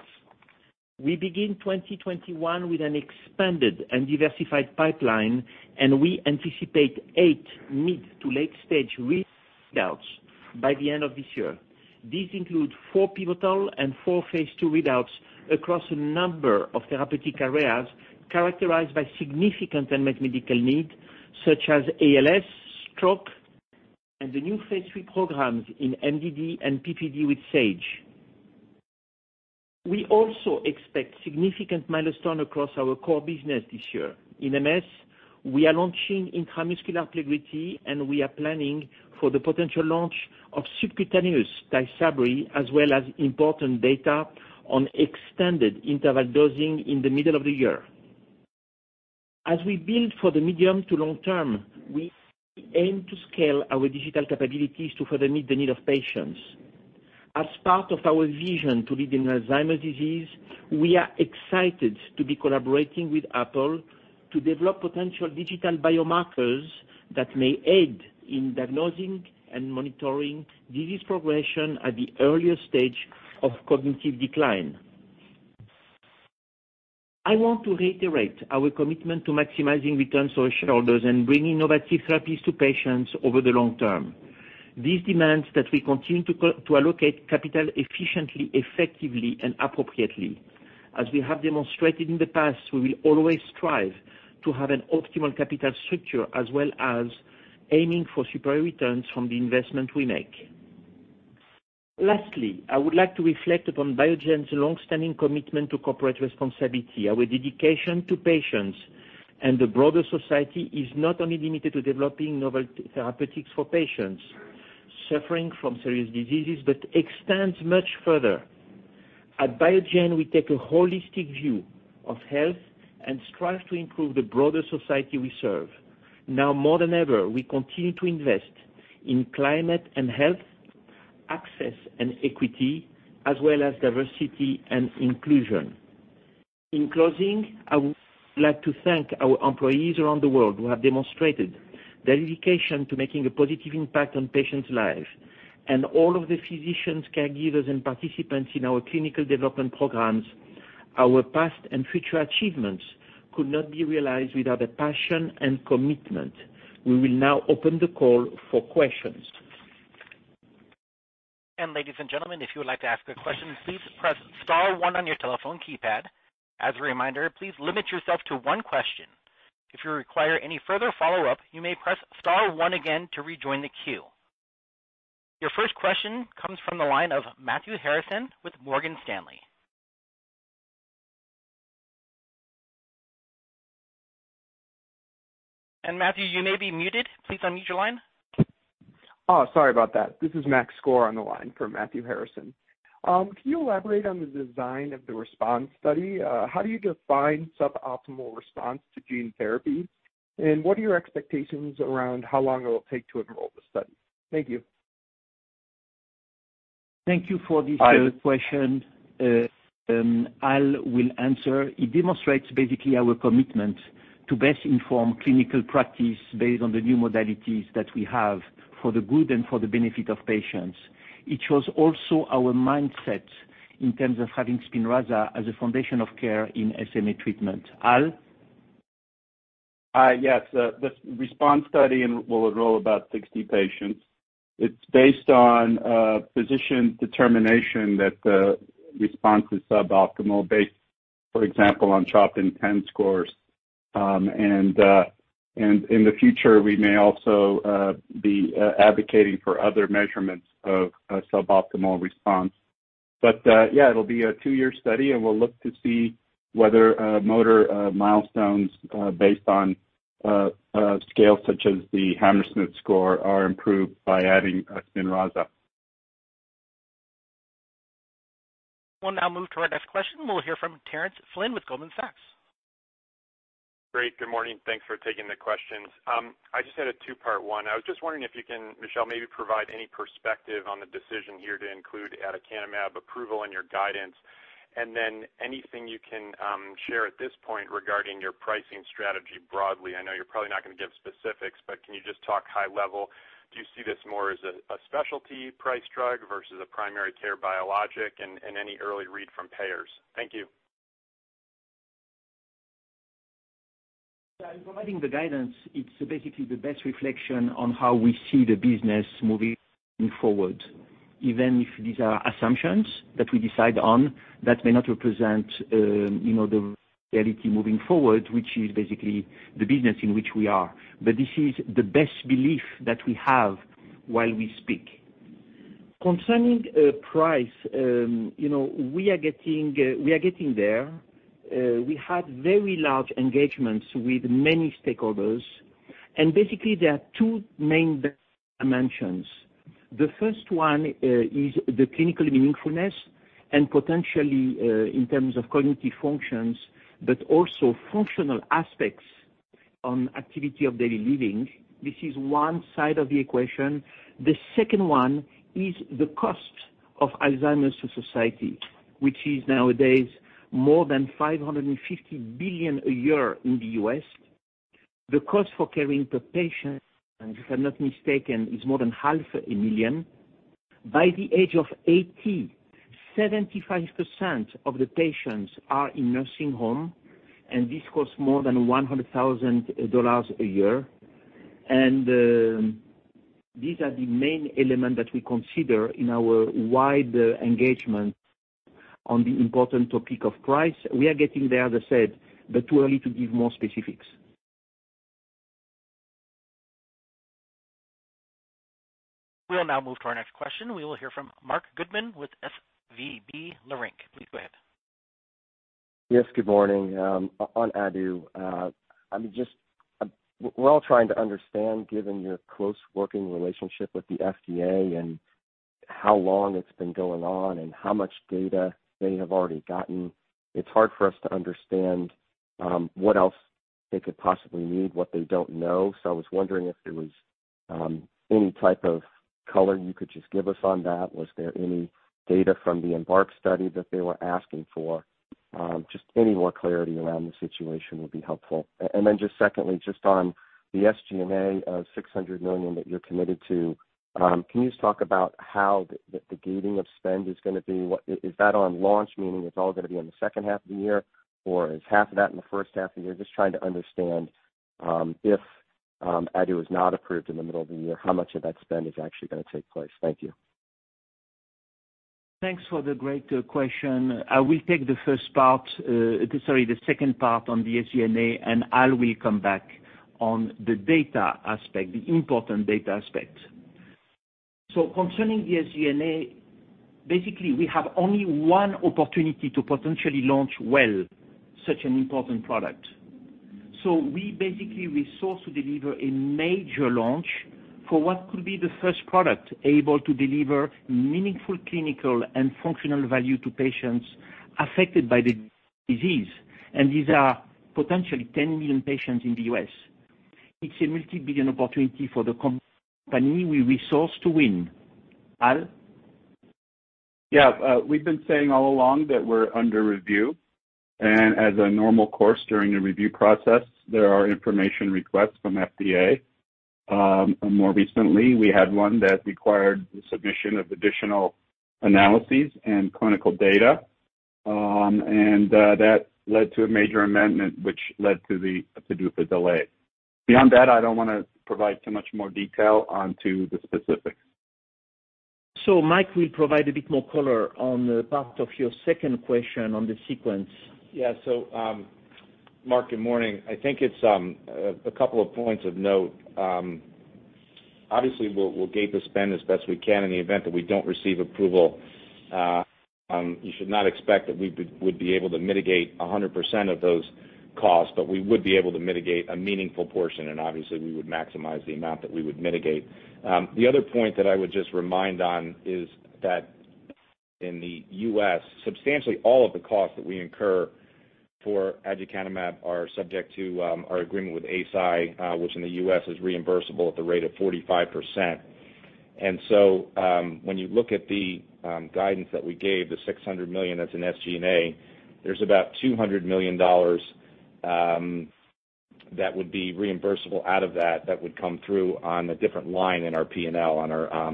We begin 2021 with an expanded and diversified pipeline, and we anticipate eight mid to late-stage readouts by the end of this year. These include four pivotal and four phase II readouts across a number of therapeutic areas characterized by significant unmet medical need, such as ALS, stroke. The new phase III programs in MDD and PPD with Sage. We also expect significant milestone across our core business this year. In MS, we are launching intramuscular PLEGRIDY, and we are planning for the potential launch of subcutaneous TYSABRI, as well as important data on extended interval dosing in the middle of the year. As we build for the medium to long term, we aim to scale our digital capabilities to further meet the need of patients. As part of our vision to lead in Alzheimer's disease, we are excited to be collaborating with Apple to develop potential digital biomarkers that may aid in diagnosing and monitoring disease progression at the earliest stage of cognitive decline. I want to reiterate our commitment to maximizing returns to our shareholders and bringing innovative therapies to patients over the long term. This demands that we continue to allocate capital efficiently, effectively, and appropriately. As we have demonstrated in the past, we will always strive to have an optimal capital structure, as well as aiming for superior returns from the investment we make. Lastly, I would like to reflect upon Biogen's longstanding commitment to corporate responsibility. Our dedication to patients and the broader society is not only limited to developing novel therapeutics for patients suffering from serious diseases but extends much further. At Biogen, we take a holistic view of health and strive to improve the broader society we serve. Now more than ever, we continue to invest in climate and health, access and equity, as well as diversity and inclusion. In closing, I would like to thank our employees around the world who have demonstrated their dedication to making a positive impact on patients' lives, and all of the physicians, caregivers, and participants in our clinical development programs. Our past and future achievements could not be realized without the passion and commitment. We will now open the call for questions. Ladies and gentlemen, if you would like to ask a question, please press star one on your telephone keypad. As a reminder, please limit yourself to one question. If you require any further follow-up, you may press star one again to rejoin the queue. Your first question comes from the line of Matthew Harrison with Morgan Stanley. Matthew, you may be muted. Please unmute your line. Oh, sorry about that. This is Max Skor on the line for Matthew Harrison. Can you elaborate on the design of the RESPOND study? How do you define suboptimal response to gene therapy? What are your expectations around how long it will take to enroll the study? Thank you. Thank you for this question. Al will answer. It demonstrates basically our commitment to best inform clinical practice based on the new modalities that we have for the good and for the benefit of patients. It shows also our mindset in terms of having SPINRAZA as a foundation of care in SMA treatment. Al? Yes. The response study will enroll about 60 patients. It is based on physician determination that the response is suboptimal based, for example, on CHOP INTEND scores. In the future, we may also be advocating for other measurements of a suboptimal response. Yeah, it will be a two-year study, and we will look to see whether motor milestones based on scales such as the Hammersmith score are improved by adding SPINRAZA. We'll now move to our next question. We'll hear from Terence Flynn with Goldman Sachs. Great. Good morning. Thanks for taking the questions. I just had a two-part one. I was just wondering if you can, Michel, maybe provide any perspective on the decision here to include aducanumab approval in your guidance, and then anything you can share at this point regarding your pricing strategy broadly. I know you're probably not going to give specifics. Can you just talk high level? Do you see this more as a specialty price drug versus a primary care biologic and any early read from payers? Thank you. Yeah, in providing the guidance, it's basically the best reflection on how we see the business moving forward, even if these are assumptions that we decide on that may not represent the reality moving forward, which is basically the business in which we are. This is the best belief that we have while we speak. Concerning price, we are getting there. We had very large engagements with many stakeholders, and basically, there are two main dimensions. The first one is the clinical meaningfulness and potentially, in terms of cognitive functions, but also functional aspects on activity of daily living. This is one side of the equation. The second one is the cost of Alzheimer's to society, which is nowadays more than $550 billion a year in the U.S. The cost for caring per patient, if I'm not mistaken, is more than half a million. By the age of 80, 75% of the patients are in nursing home, and this costs more than $100,000 a year. These are the main elements that we consider in our wide engagement. On the important topic of price. We are getting there, as I said, but too early to give more specifics. We'll now move to our next question. We will hear from Marc Goodman with SVB Leerink. Please go ahead. Yes, good morning. On adu, we're all trying to understand, given your close working relationship with the FDA and how long it's been going on and how much data they have already gotten, it's hard for us to understand what else they could possibly need, what they don't know. I was wondering if there was any type of color you could just give us on that. Was there any data from the EMBARK study that they were asking for? Just any more clarity around the situation would be helpful. Just secondly, just on the SG&A of $600 million that you're committed to, can you just talk about how the gating of spend is going to be? Is that on launch, meaning it's all going to be in the second half of the year, or is half of that in the first half of the year? Just trying to understand if adu is not approved in the middle of the year, how much of that spend is actually going to take place. Thank you. Thanks for the great question. I will take the second part on the SG&A, and Al will come back on the data aspect, the important data aspect. Concerning the SG&A, basically we have only one opportunity to potentially launch well such an important product. We basically resource to deliver a major launch for what could be the first product able to deliver meaningful clinical and functional value to patients affected by the disease. These are potentially 10 million patients in the U.S. It's a multi-billion opportunity for the company. We resource to win. Al. Yeah. We've been saying all along that we're under review. As a normal course during a review process, there are information requests from FDA. More recently, we had one that required the submission of additional analyses and clinical data. That led to a major amendment, which led to the PDUFA delay. Beyond that, I don't want to provide too much more detail onto the specifics. Mike will provide a bit more color on the part of your second question on the sequence. Yeah. Marc, good morning. I think it's a couple of points of note. Obviously, we'll gate the spend as best we can in the event that we don't receive approval. You should not expect that we would be able to mitigate 100% of those costs, but we would be able to mitigate a meaningful portion, and obviously, we would maximize the amount that we would mitigate. The other point that I would just remind on is that in the U.S., substantially all of the costs that we incur for aducanumab are subject to our agreement with Eisai, which in the U.S. is reimbursable at the rate of 45%. When you look at the guidance that we gave, the $600 million that's in SG&A, there's about $200 million that would be reimbursable out of that would come through on a different line in our P&L, on our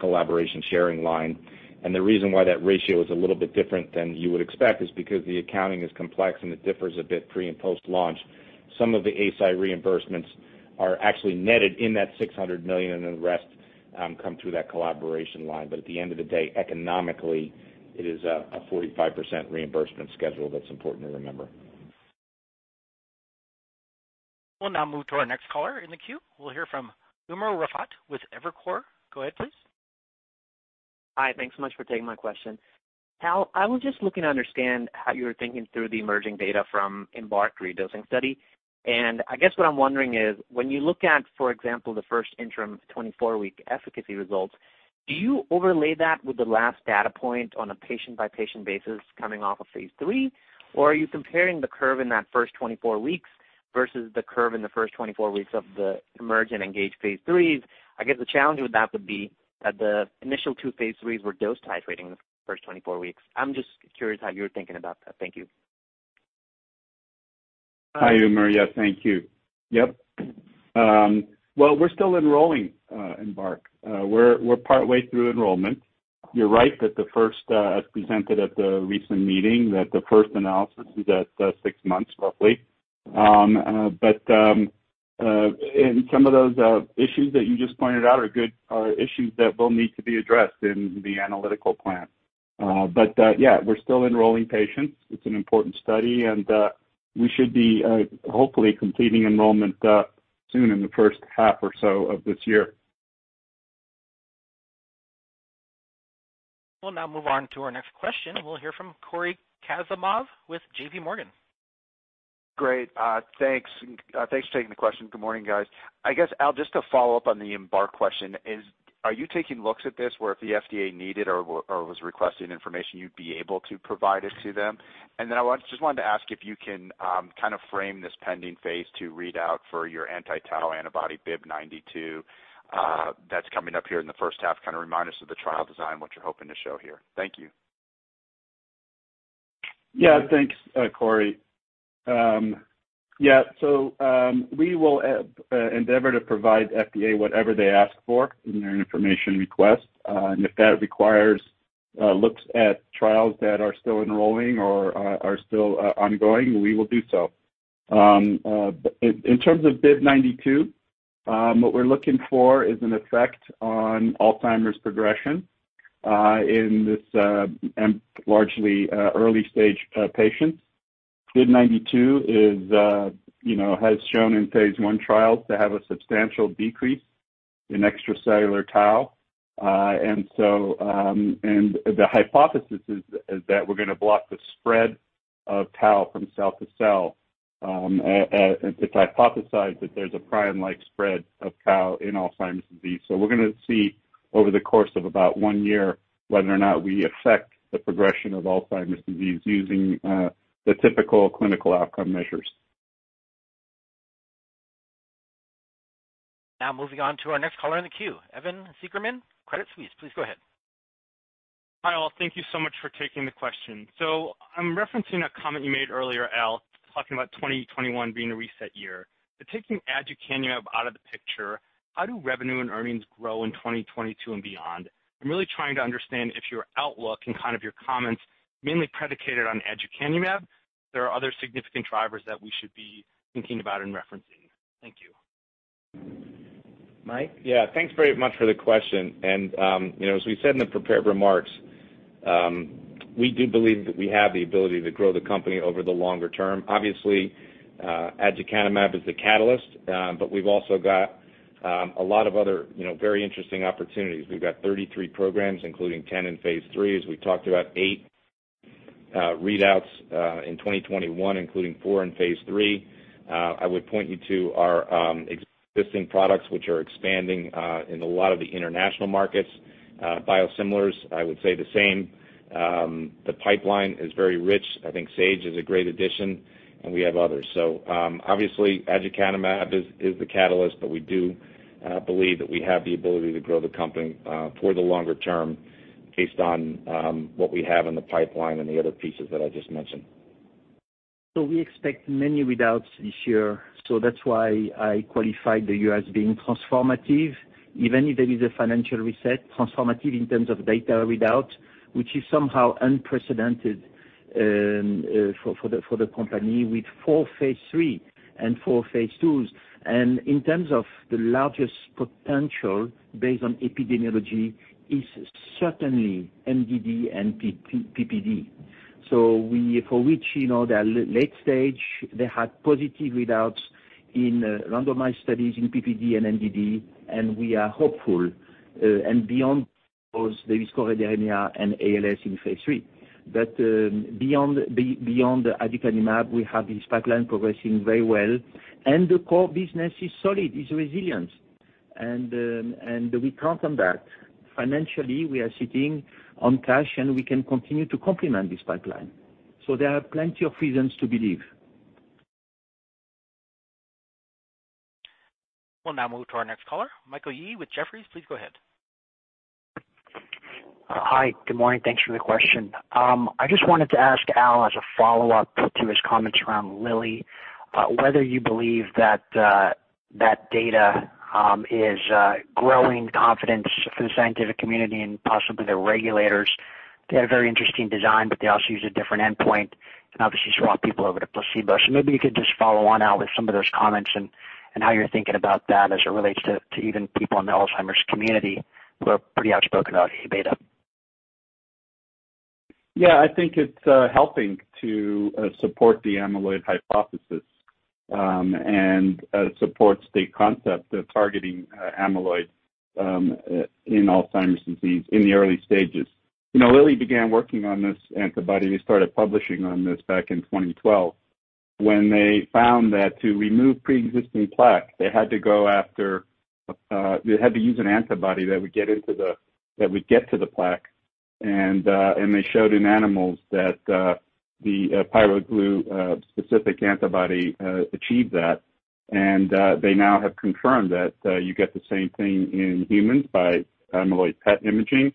collaboration sharing line. The reason why that ratio is a little bit different than you would expect is because the accounting is complex, and it differs a bit pre- and post-launch. Some of the Eisai reimbursements are actually netted in that $600 million, and the rest come through that collaboration line. At the end of the day, economically, it is a 45% reimbursement schedule that's important to remember. We'll now move to our next caller in the queue. We'll hear from Umer Raffat with Evercore. Go ahead, please. Hi, thanks so much for taking my question. Al, I was just looking to understand how you were thinking through the emerging data from EMBARK redosing study. I guess what I'm wondering is, when you look at, for example, the first interim 24-week efficacy results, do you overlay that with the last data point on a patient-by-patient basis coming off of phase III? Or are you comparing the curve in that first 24 weeks versus the curve in the first 24 weeks of the EMERGE and ENGAGE phase IIIs? I guess the challenge with that would be that the initial two phase IIIs were dose titrating the first 24 weeks. I'm just curious how you're thinking about that. Thank you. Hi, Umer. Yeah, thank you. Yep. Well, we're still enrolling EMBARK. We're partway through enrollment. You're right that the first presented at the recent meeting, that the first analysis is at six months, roughly. In some of those issues that you just pointed out are issues that will need to be addressed in the analytical plan. Yeah, we're still enrolling patients. It's an important study, and we should be hopefully completing enrollment soon in the first half or so of this year. We'll now move on to our next question. We'll hear from Cory Kasimov with JPMorgan. Great. Thanks for taking the question. Good morning, guys. I guess, Al, just to follow up on the EMBARK question is, are you taking looks at this where if the FDA needed or was requesting information, you'd be able to provide it to them? I just wanted to ask if you can kind of frame this pending phase II readout for your anti-tau antibody BIIB092 that's coming up here in the first half. Kind of remind us of the trial design, what you're hoping to show here. Thank you. Yeah, thanks, Cory. Yeah, we will endeavor to provide FDA whatever they ask for in their information request. If that requires looks at trials that are still ongoing, we will do so. In terms of BIIB092, what we're looking for is an effect on Alzheimer's progression in this largely early-stage patients. BIIB092 has shown in phase I trials to have a substantial decrease in extracellular tau. The hypothesis is that we're going to block the spread of tau from cell to cell. It's hypothesized that there's a prion-like spread of tau in Alzheimer's disease. We're going to see over the course of about one year whether or not we affect the progression of Alzheimer's disease using the typical clinical outcome measures. Now moving on to our next caller in the queue, Evan Seigerman, Credit Suisse. Please go ahead. Hi, all. Thank you so much for taking the question. I'm referencing a comment you made earlier, Al, talking about 2021 being a reset year. Taking aducanumab out of the picture, how do revenue and earnings grow in 2022 and beyond? I'm really trying to understand if your outlook and kind of your comments mainly predicated on aducanumab. There are other significant drivers that we should be thinking about and referencing. Thank you. Mike? Thanks very much for the question. As we said in the prepared remarks, we do believe that we have the ability to grow the company over the longer term. Obviously, aducanumab is the catalyst, but we've also got a lot of other very interesting opportunities. We've got 33 programs, including 10 in phase III, as we talked about, eight readouts in 2021, including four in phase III. I would point you to our existing products, which are expanding in a lot of the international markets. Biosimilars, I would say the same. The pipeline is very rich. I think Sage is a great addition, and we have others. Obviously aducanumab is the catalyst, but we do believe that we have the ability to grow the company for the longer term based on what we have in the pipeline and the other pieces that I just mentioned. We expect many readouts this year, so that's why I qualified the year as being transformative, even if there is a financial reset, transformative in terms of data readout, which is somehow unprecedented for the company with four phase III and four phase IIs. In terms of the largest potential based on epidemiology is certainly MDD and PPD. For which they are late stage, they had positive readouts in randomized studies in PPD and MDD, and we are hopeful. Beyond those, there is choroideremia and ALS in phase III. Beyond aducanumab, we have this pipeline progressing very well. The core business is solid, is resilient. We count on that. Financially, we are sitting on cash, and we can continue to complement this pipeline. There are plenty of reasons to believe. We'll now move to our next caller, Michael Yee with Jefferies. Please go ahead. Hi. Good morning. Thanks for the question. I just wanted to ask Al, as a follow-up to his comments around Lilly, whether you believe that that data is growing confidence for the scientific community and possibly the regulators. They had a very interesting design, they also used a different endpoint and obviously saw people over to placebo. Maybe you could just follow on, Al, with some of those comments and how you're thinking about that as it relates to even people in the Alzheimer's community who are pretty outspoken about A-beta. Yeah, I think it's helping to support the amyloid hypothesis, and it supports the concept of targeting amyloid in Alzheimer's disease in the early stages. Lilly began working on this antibody. They started publishing on this back in 2012 when they found that to remove preexisting plaque, they had to use an antibody that would get to the plaque. They showed in animals that the pyroglu specific antibody achieved that. They now have confirmed that you get the same thing in humans by amyloid PET imaging.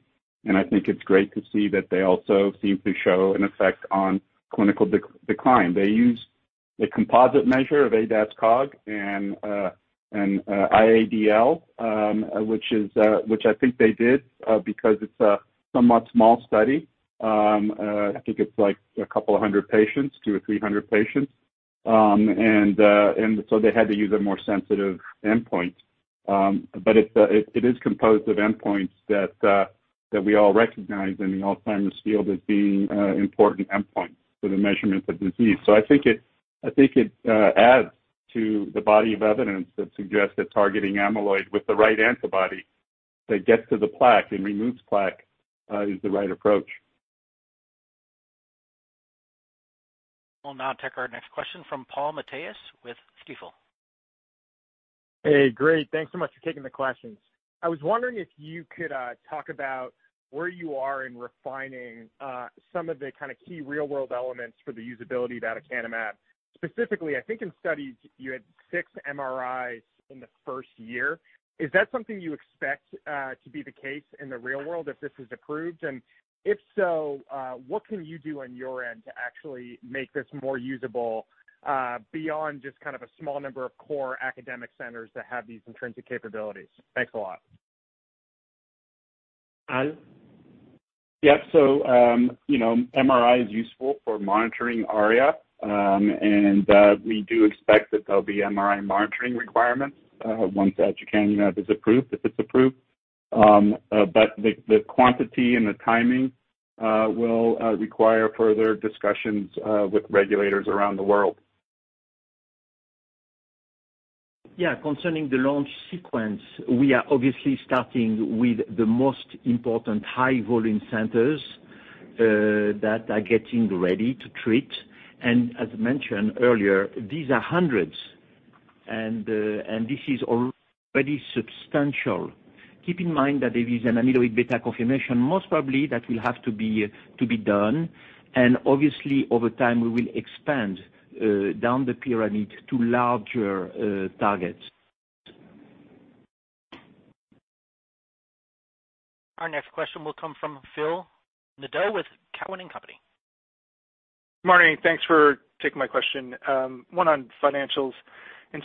I think it's great to see that they also seem to show an effect on clinical decline. They use the composite measure of ADAS-Cog and IADL, which I think they did because it's a somewhat small study. I think it's a couple of hundred patients, 200 or 300 patients. They had to use a more sensitive endpoint. It is composed of endpoints that we all recognize in the Alzheimer's field as being important endpoints for the measurement of disease. I think it adds to the body of evidence that suggests that targeting amyloid with the right antibody that gets to the plaque and removes plaque is the right approach. We'll now take our next question from Paul Matteis with Stifel. Hey, great. Thanks so much for taking the questions. I was wondering if you could talk about where you are in refining some of the kind of key real-world elements for the usability of aducanumab. Specifically, I think in studies you had six MRIs in the first year. Is that something you expect to be the case in the real world if this is approved? If so, what can you do on your end to actually make this more usable beyond just kind of a small number of core academic centers that have these intrinsic capabilities? Thanks a lot. Al? Yeah. MRI is useful for monitoring ARIA. We do expect that there'll be MRI monitoring requirements, once aducanumab is approved, if it's approved. The quantity and the timing will require further discussions with regulators around the world. Concerning the launch sequence, we are obviously starting with the most important high-volume centers that are getting ready to treat. As mentioned earlier, these are hundreds, and this is already substantial. Keep in mind that there is an amyloid-beta confirmation, most probably that will have to be done. Obviously, over time, we will expand down the pyramid to larger targets. Our next question will come from Phil Nadeau with Cowen and Company. Morning. Thanks for taking my question. One on financials and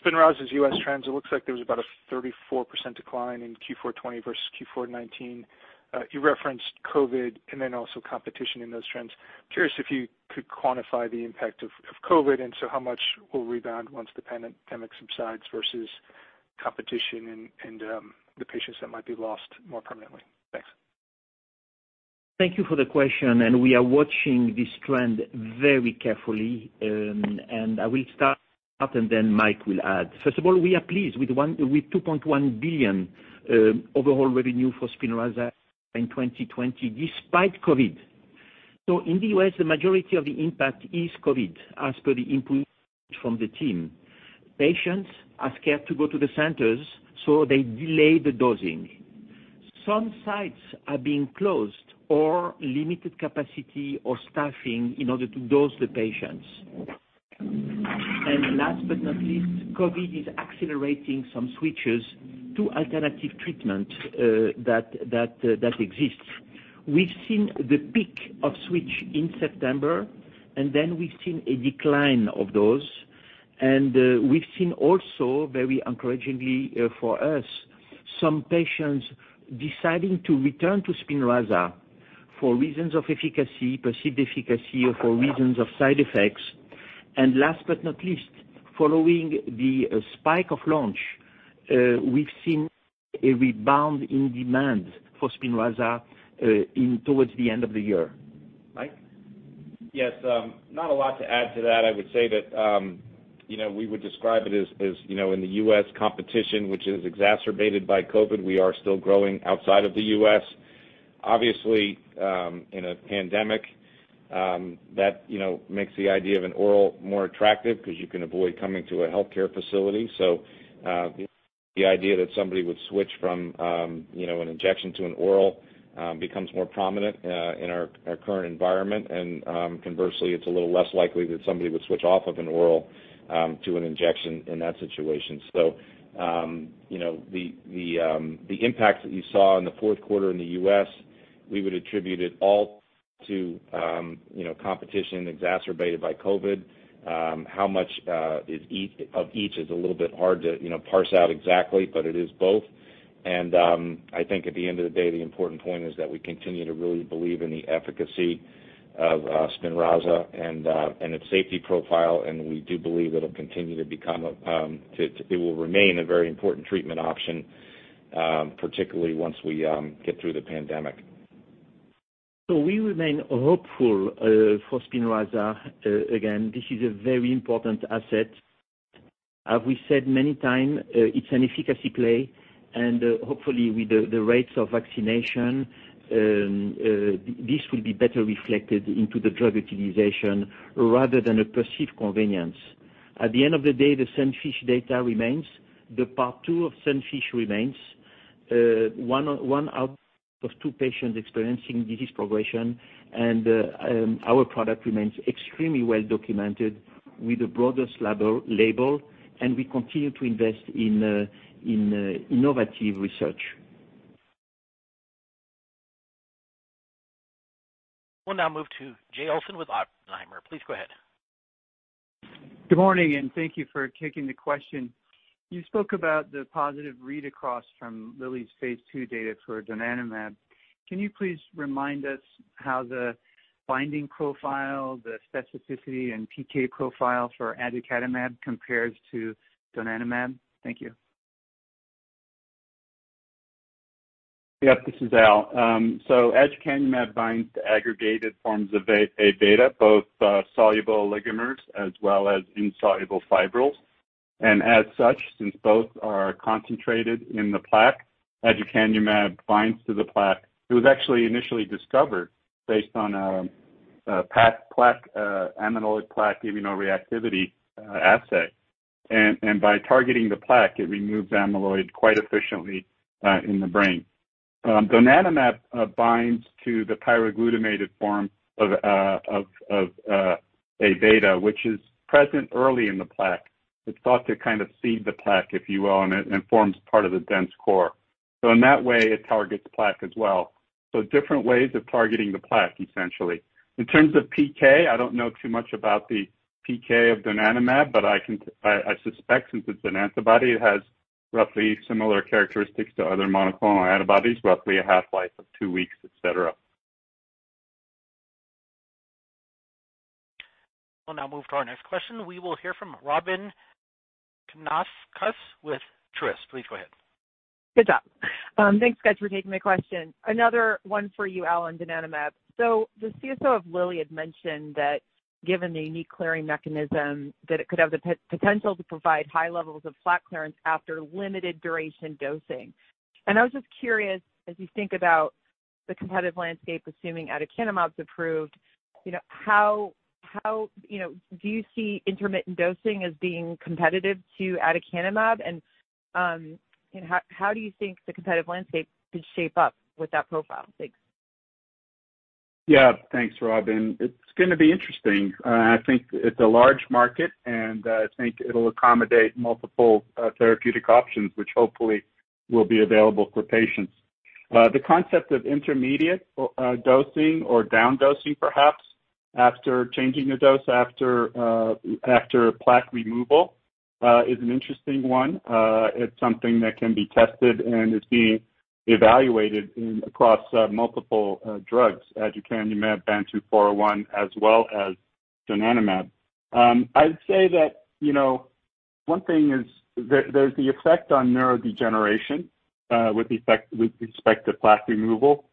SPINRAZA's U.S. trends. It looks like there was about a 34% decline in Q4 2020 versus Q4 2019. You referenced COVID and then also competition in those trends. Curious if you could quantify the impact of COVID, and so how much will rebound once the pandemic subsides versus competition and the patients that might be lost more permanently. Thanks. Thank you for the question, and we are watching this trend very carefully. I will start, and then Mike will add. First of all, we are pleased with $2.1 billion overall revenue for SPINRAZA in 2020, despite COVID. In the U.S., the majority of the impact is COVID, as per the input from the team. Patients are scared to go to the centers, so they delay the dosing. Some sites are being closed or limited capacity or staffing in order to dose the patients. Last but not least, COVID is accelerating some switches to alternative treatment that exists. We've seen the peak of switch in September, and then we've seen a decline of those. We've seen also, very encouragingly for us, some patients deciding to return to SPINRAZA for reasons of efficacy, perceived efficacy, or for reasons of side effects. Last but not least, following the spike of launch, we've seen a rebound in demand for SPINRAZA towards the end of the year. Mike? Yes. Not a lot to add to that. I would say that we would describe it as in the U.S. competition, which is exacerbated by COVID, we are still growing outside of the U.S. Obviously, in a pandemic, that makes the idea of an oral more attractive because you can avoid coming to a healthcare facility. The idea that somebody would switch from an injection to an oral becomes more prominent in our current environment, and conversely, it's a little less likely that somebody would switch off of an oral to an injection in that situation. The impact that you saw in the fourth quarter in the U.S., we would attribute it all to competition exacerbated by COVID. How much of each is a little bit hard to parse out exactly, but it is both. I think at the end of the day, the important point is that we continue to really believe in the efficacy of SPINRAZA and its safety profile, and we do believe it will remain a very important treatment option, particularly once we get through the pandemic. We remain hopeful for SPINRAZA. Again, this is a very important asset. As we said many time, it's an efficacy play, and hopefully, with the rates of vaccination, this will be better reflected into the drug utilization rather than a perceived convenience. At the end of the day, the SUNFISH data remains. The part two of SUNFISH remains. One out of two patients experiencing disease progression, and our product remains extremely well-documented with the broadest label, and we continue to invest in innovative research. We'll now move to Jay Olson with Oppenheimer. Please go ahead. Good morning, thank you for taking the question. You spoke about the positive read across from Lilly's phase II data for donanemab. Can you please remind us how the binding profile, the specificity, and PK profile for aducanumab compares to donanemab? Thank you. Yep. This is Al. Aducanumab binds to aggregated forms of A-beta, both soluble oligomers as well as insoluble fibrils. As such, since both are concentrated in the plaque, aducanumab binds to the plaque. It was actually initially discovered based on a path plaque, amyloid plaque immunoreactivity assay. By targeting the plaque, it removes amyloid quite efficiently in the brain. Donanemab binds to the pyroglutamate form of A-beta, which is present early in the plaque. It's thought to kind of seed the plaque, if you will, and it forms part of the dense core. In that way, it targets plaque as well. Different ways of targeting the plaque, essentially. In terms of PK, I don't know too much about the PK of donanemab, but I suspect since it's an antibody, it has roughly similar characteristics to other monoclonal antibodies, roughly a half-life of two weeks, et cetera. We'll now move to our next question. We will hear from Robyn Karnauskas with Truist. Please go ahead. Good job. Thanks, guys, for taking my question. Another one for you, Al, on donanemab. The CSO of Lilly had mentioned that given the unique clearing mechanism, that it could have the potential to provide high levels of plaque clearance after limited duration dosing. I was just curious, as you think about the competitive landscape, assuming aducanumab's approved, do you see intermittent dosing as being competitive to aducanumab, and how do you think the competitive landscape could shape up with that profile? Thanks. Yeah. Thanks, Robyn. It's going to be interesting. I think it's a large market, and I think it'll accommodate multiple therapeutic options, which hopefully will be available for patients. The concept of intermediate dosing or down dosing, perhaps, after changing the dose after plaque removal is an interesting one. It's something that can be tested, and it's being evaluated across multiple drugs, aducanumab, BAN2401, as well as donanemab. I'd say that one thing is there's the effect on neurodegeneration with respect to plaque removal.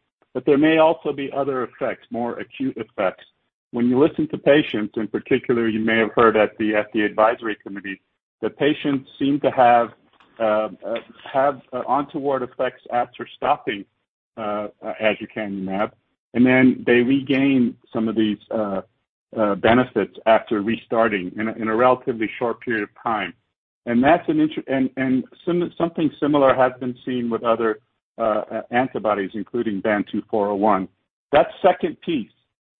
There may also be other effects, more acute effects. When you listen to patients, in particular, you may have heard at the FDA advisory committee, that patients seem to have onward effects after stopping aducanumab, and then they regain some of these benefits after restarting in a relatively short period of time. Something similar has been seen with other antibodies, including BAN2401. That second piece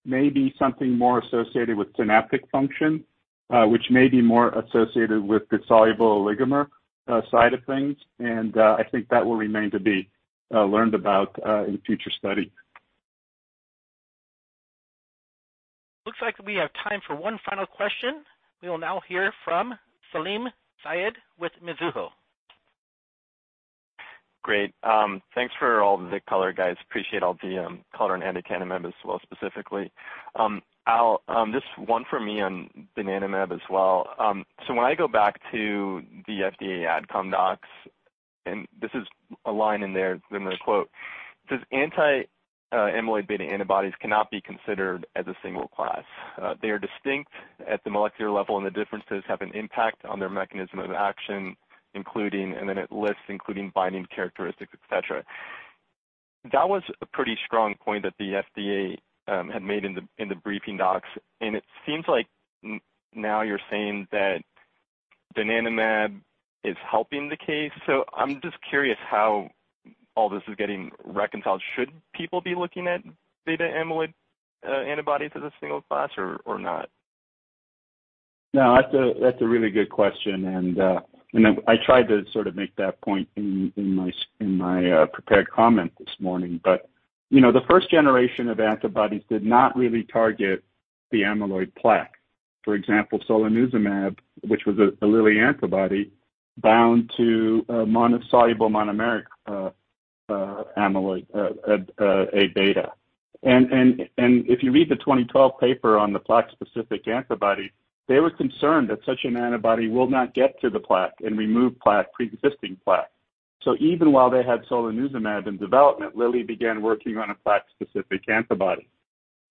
may be something more associated with synaptic function, which may be more associated with the soluble oligomer side of things, and I think that will remain to be learned about in future studies. Looks like we have time for one final question. We will now hear from Salim Syed with Mizuho. Great. Thanks for all the color, guys. Appreciate all the color on aducanumab as well, specifically. Al, this one from me on donanemab as well. When I go back to the FDA adcom docs, and this is a line in there that I'm going to quote, it says, "Anti-amyloid beta antibodies cannot be considered as a single class. They are distinct at the molecular level, and the differences have an impact on their mechanism of action, including" It lists, including binding characteristics, et cetera. That was a pretty strong point that the FDA had made in the briefing docs, and it seems like now you're saying that donanemab is helping the case. I'm just curious how all this is getting reconciled. Should people be looking at beta amyloid antibodies as a single class or not? That's a really good question, I tried to sort of make that point in my prepared comment this morning. The first generation of antibodies did not really target the amyloid plaque. For example, solanezumab, which was a Lilly antibody, bound to soluble monomeric amyloid A-beta. If you read the 2012 paper on the plaque-specific antibody, they were concerned that such an antibody will not get to the plaque and remove preexisting plaque. Even while they had solanezumab in development, Lilly began working on a plaque-specific antibody.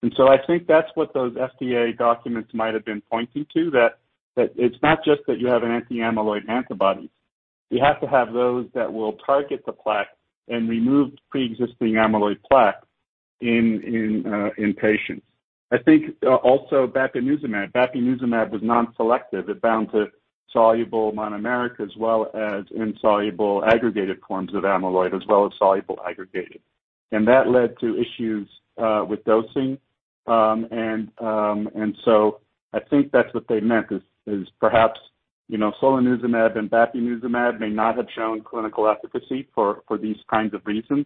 I think that's what those FDA documents might've been pointing to, that it's not just that you have an anti-amyloid antibody. You have to have those that will target the plaque and remove preexisting amyloid plaque in patients. I think also bapineuzumab. Bapineuzumab was non-selective. It bound to soluble monomeric as well as insoluble aggregated forms of amyloid, as well as soluble aggregated. That led to issues with dosing. I think that's what they meant is perhaps solanezumab and bapineuzumab may not have shown clinical efficacy for these kinds of reasons.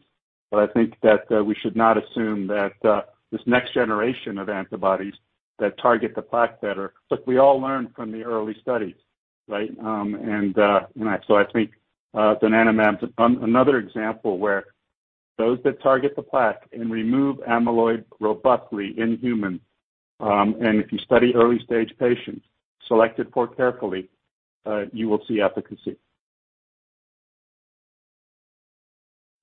I think that we should not assume that this next generation of antibodies that target the plaque better. Look, we all learn from the early studies, right? I think donanemab's another example where those that target the plaque and remove amyloid robustly in humans, and if you study early-stage patients selected more carefully, you will see efficacy.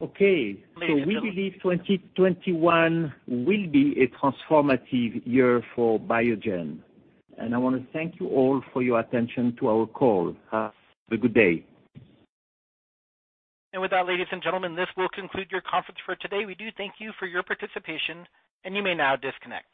Okay. Ladies and gentlemen. We believe 2021 will be a transformative year for Biogen. I want to thank you all for your attention to our call. Have a good day. With that, ladies and gentlemen, this will conclude your conference for today. We do thank you for your participation, and you may now disconnect.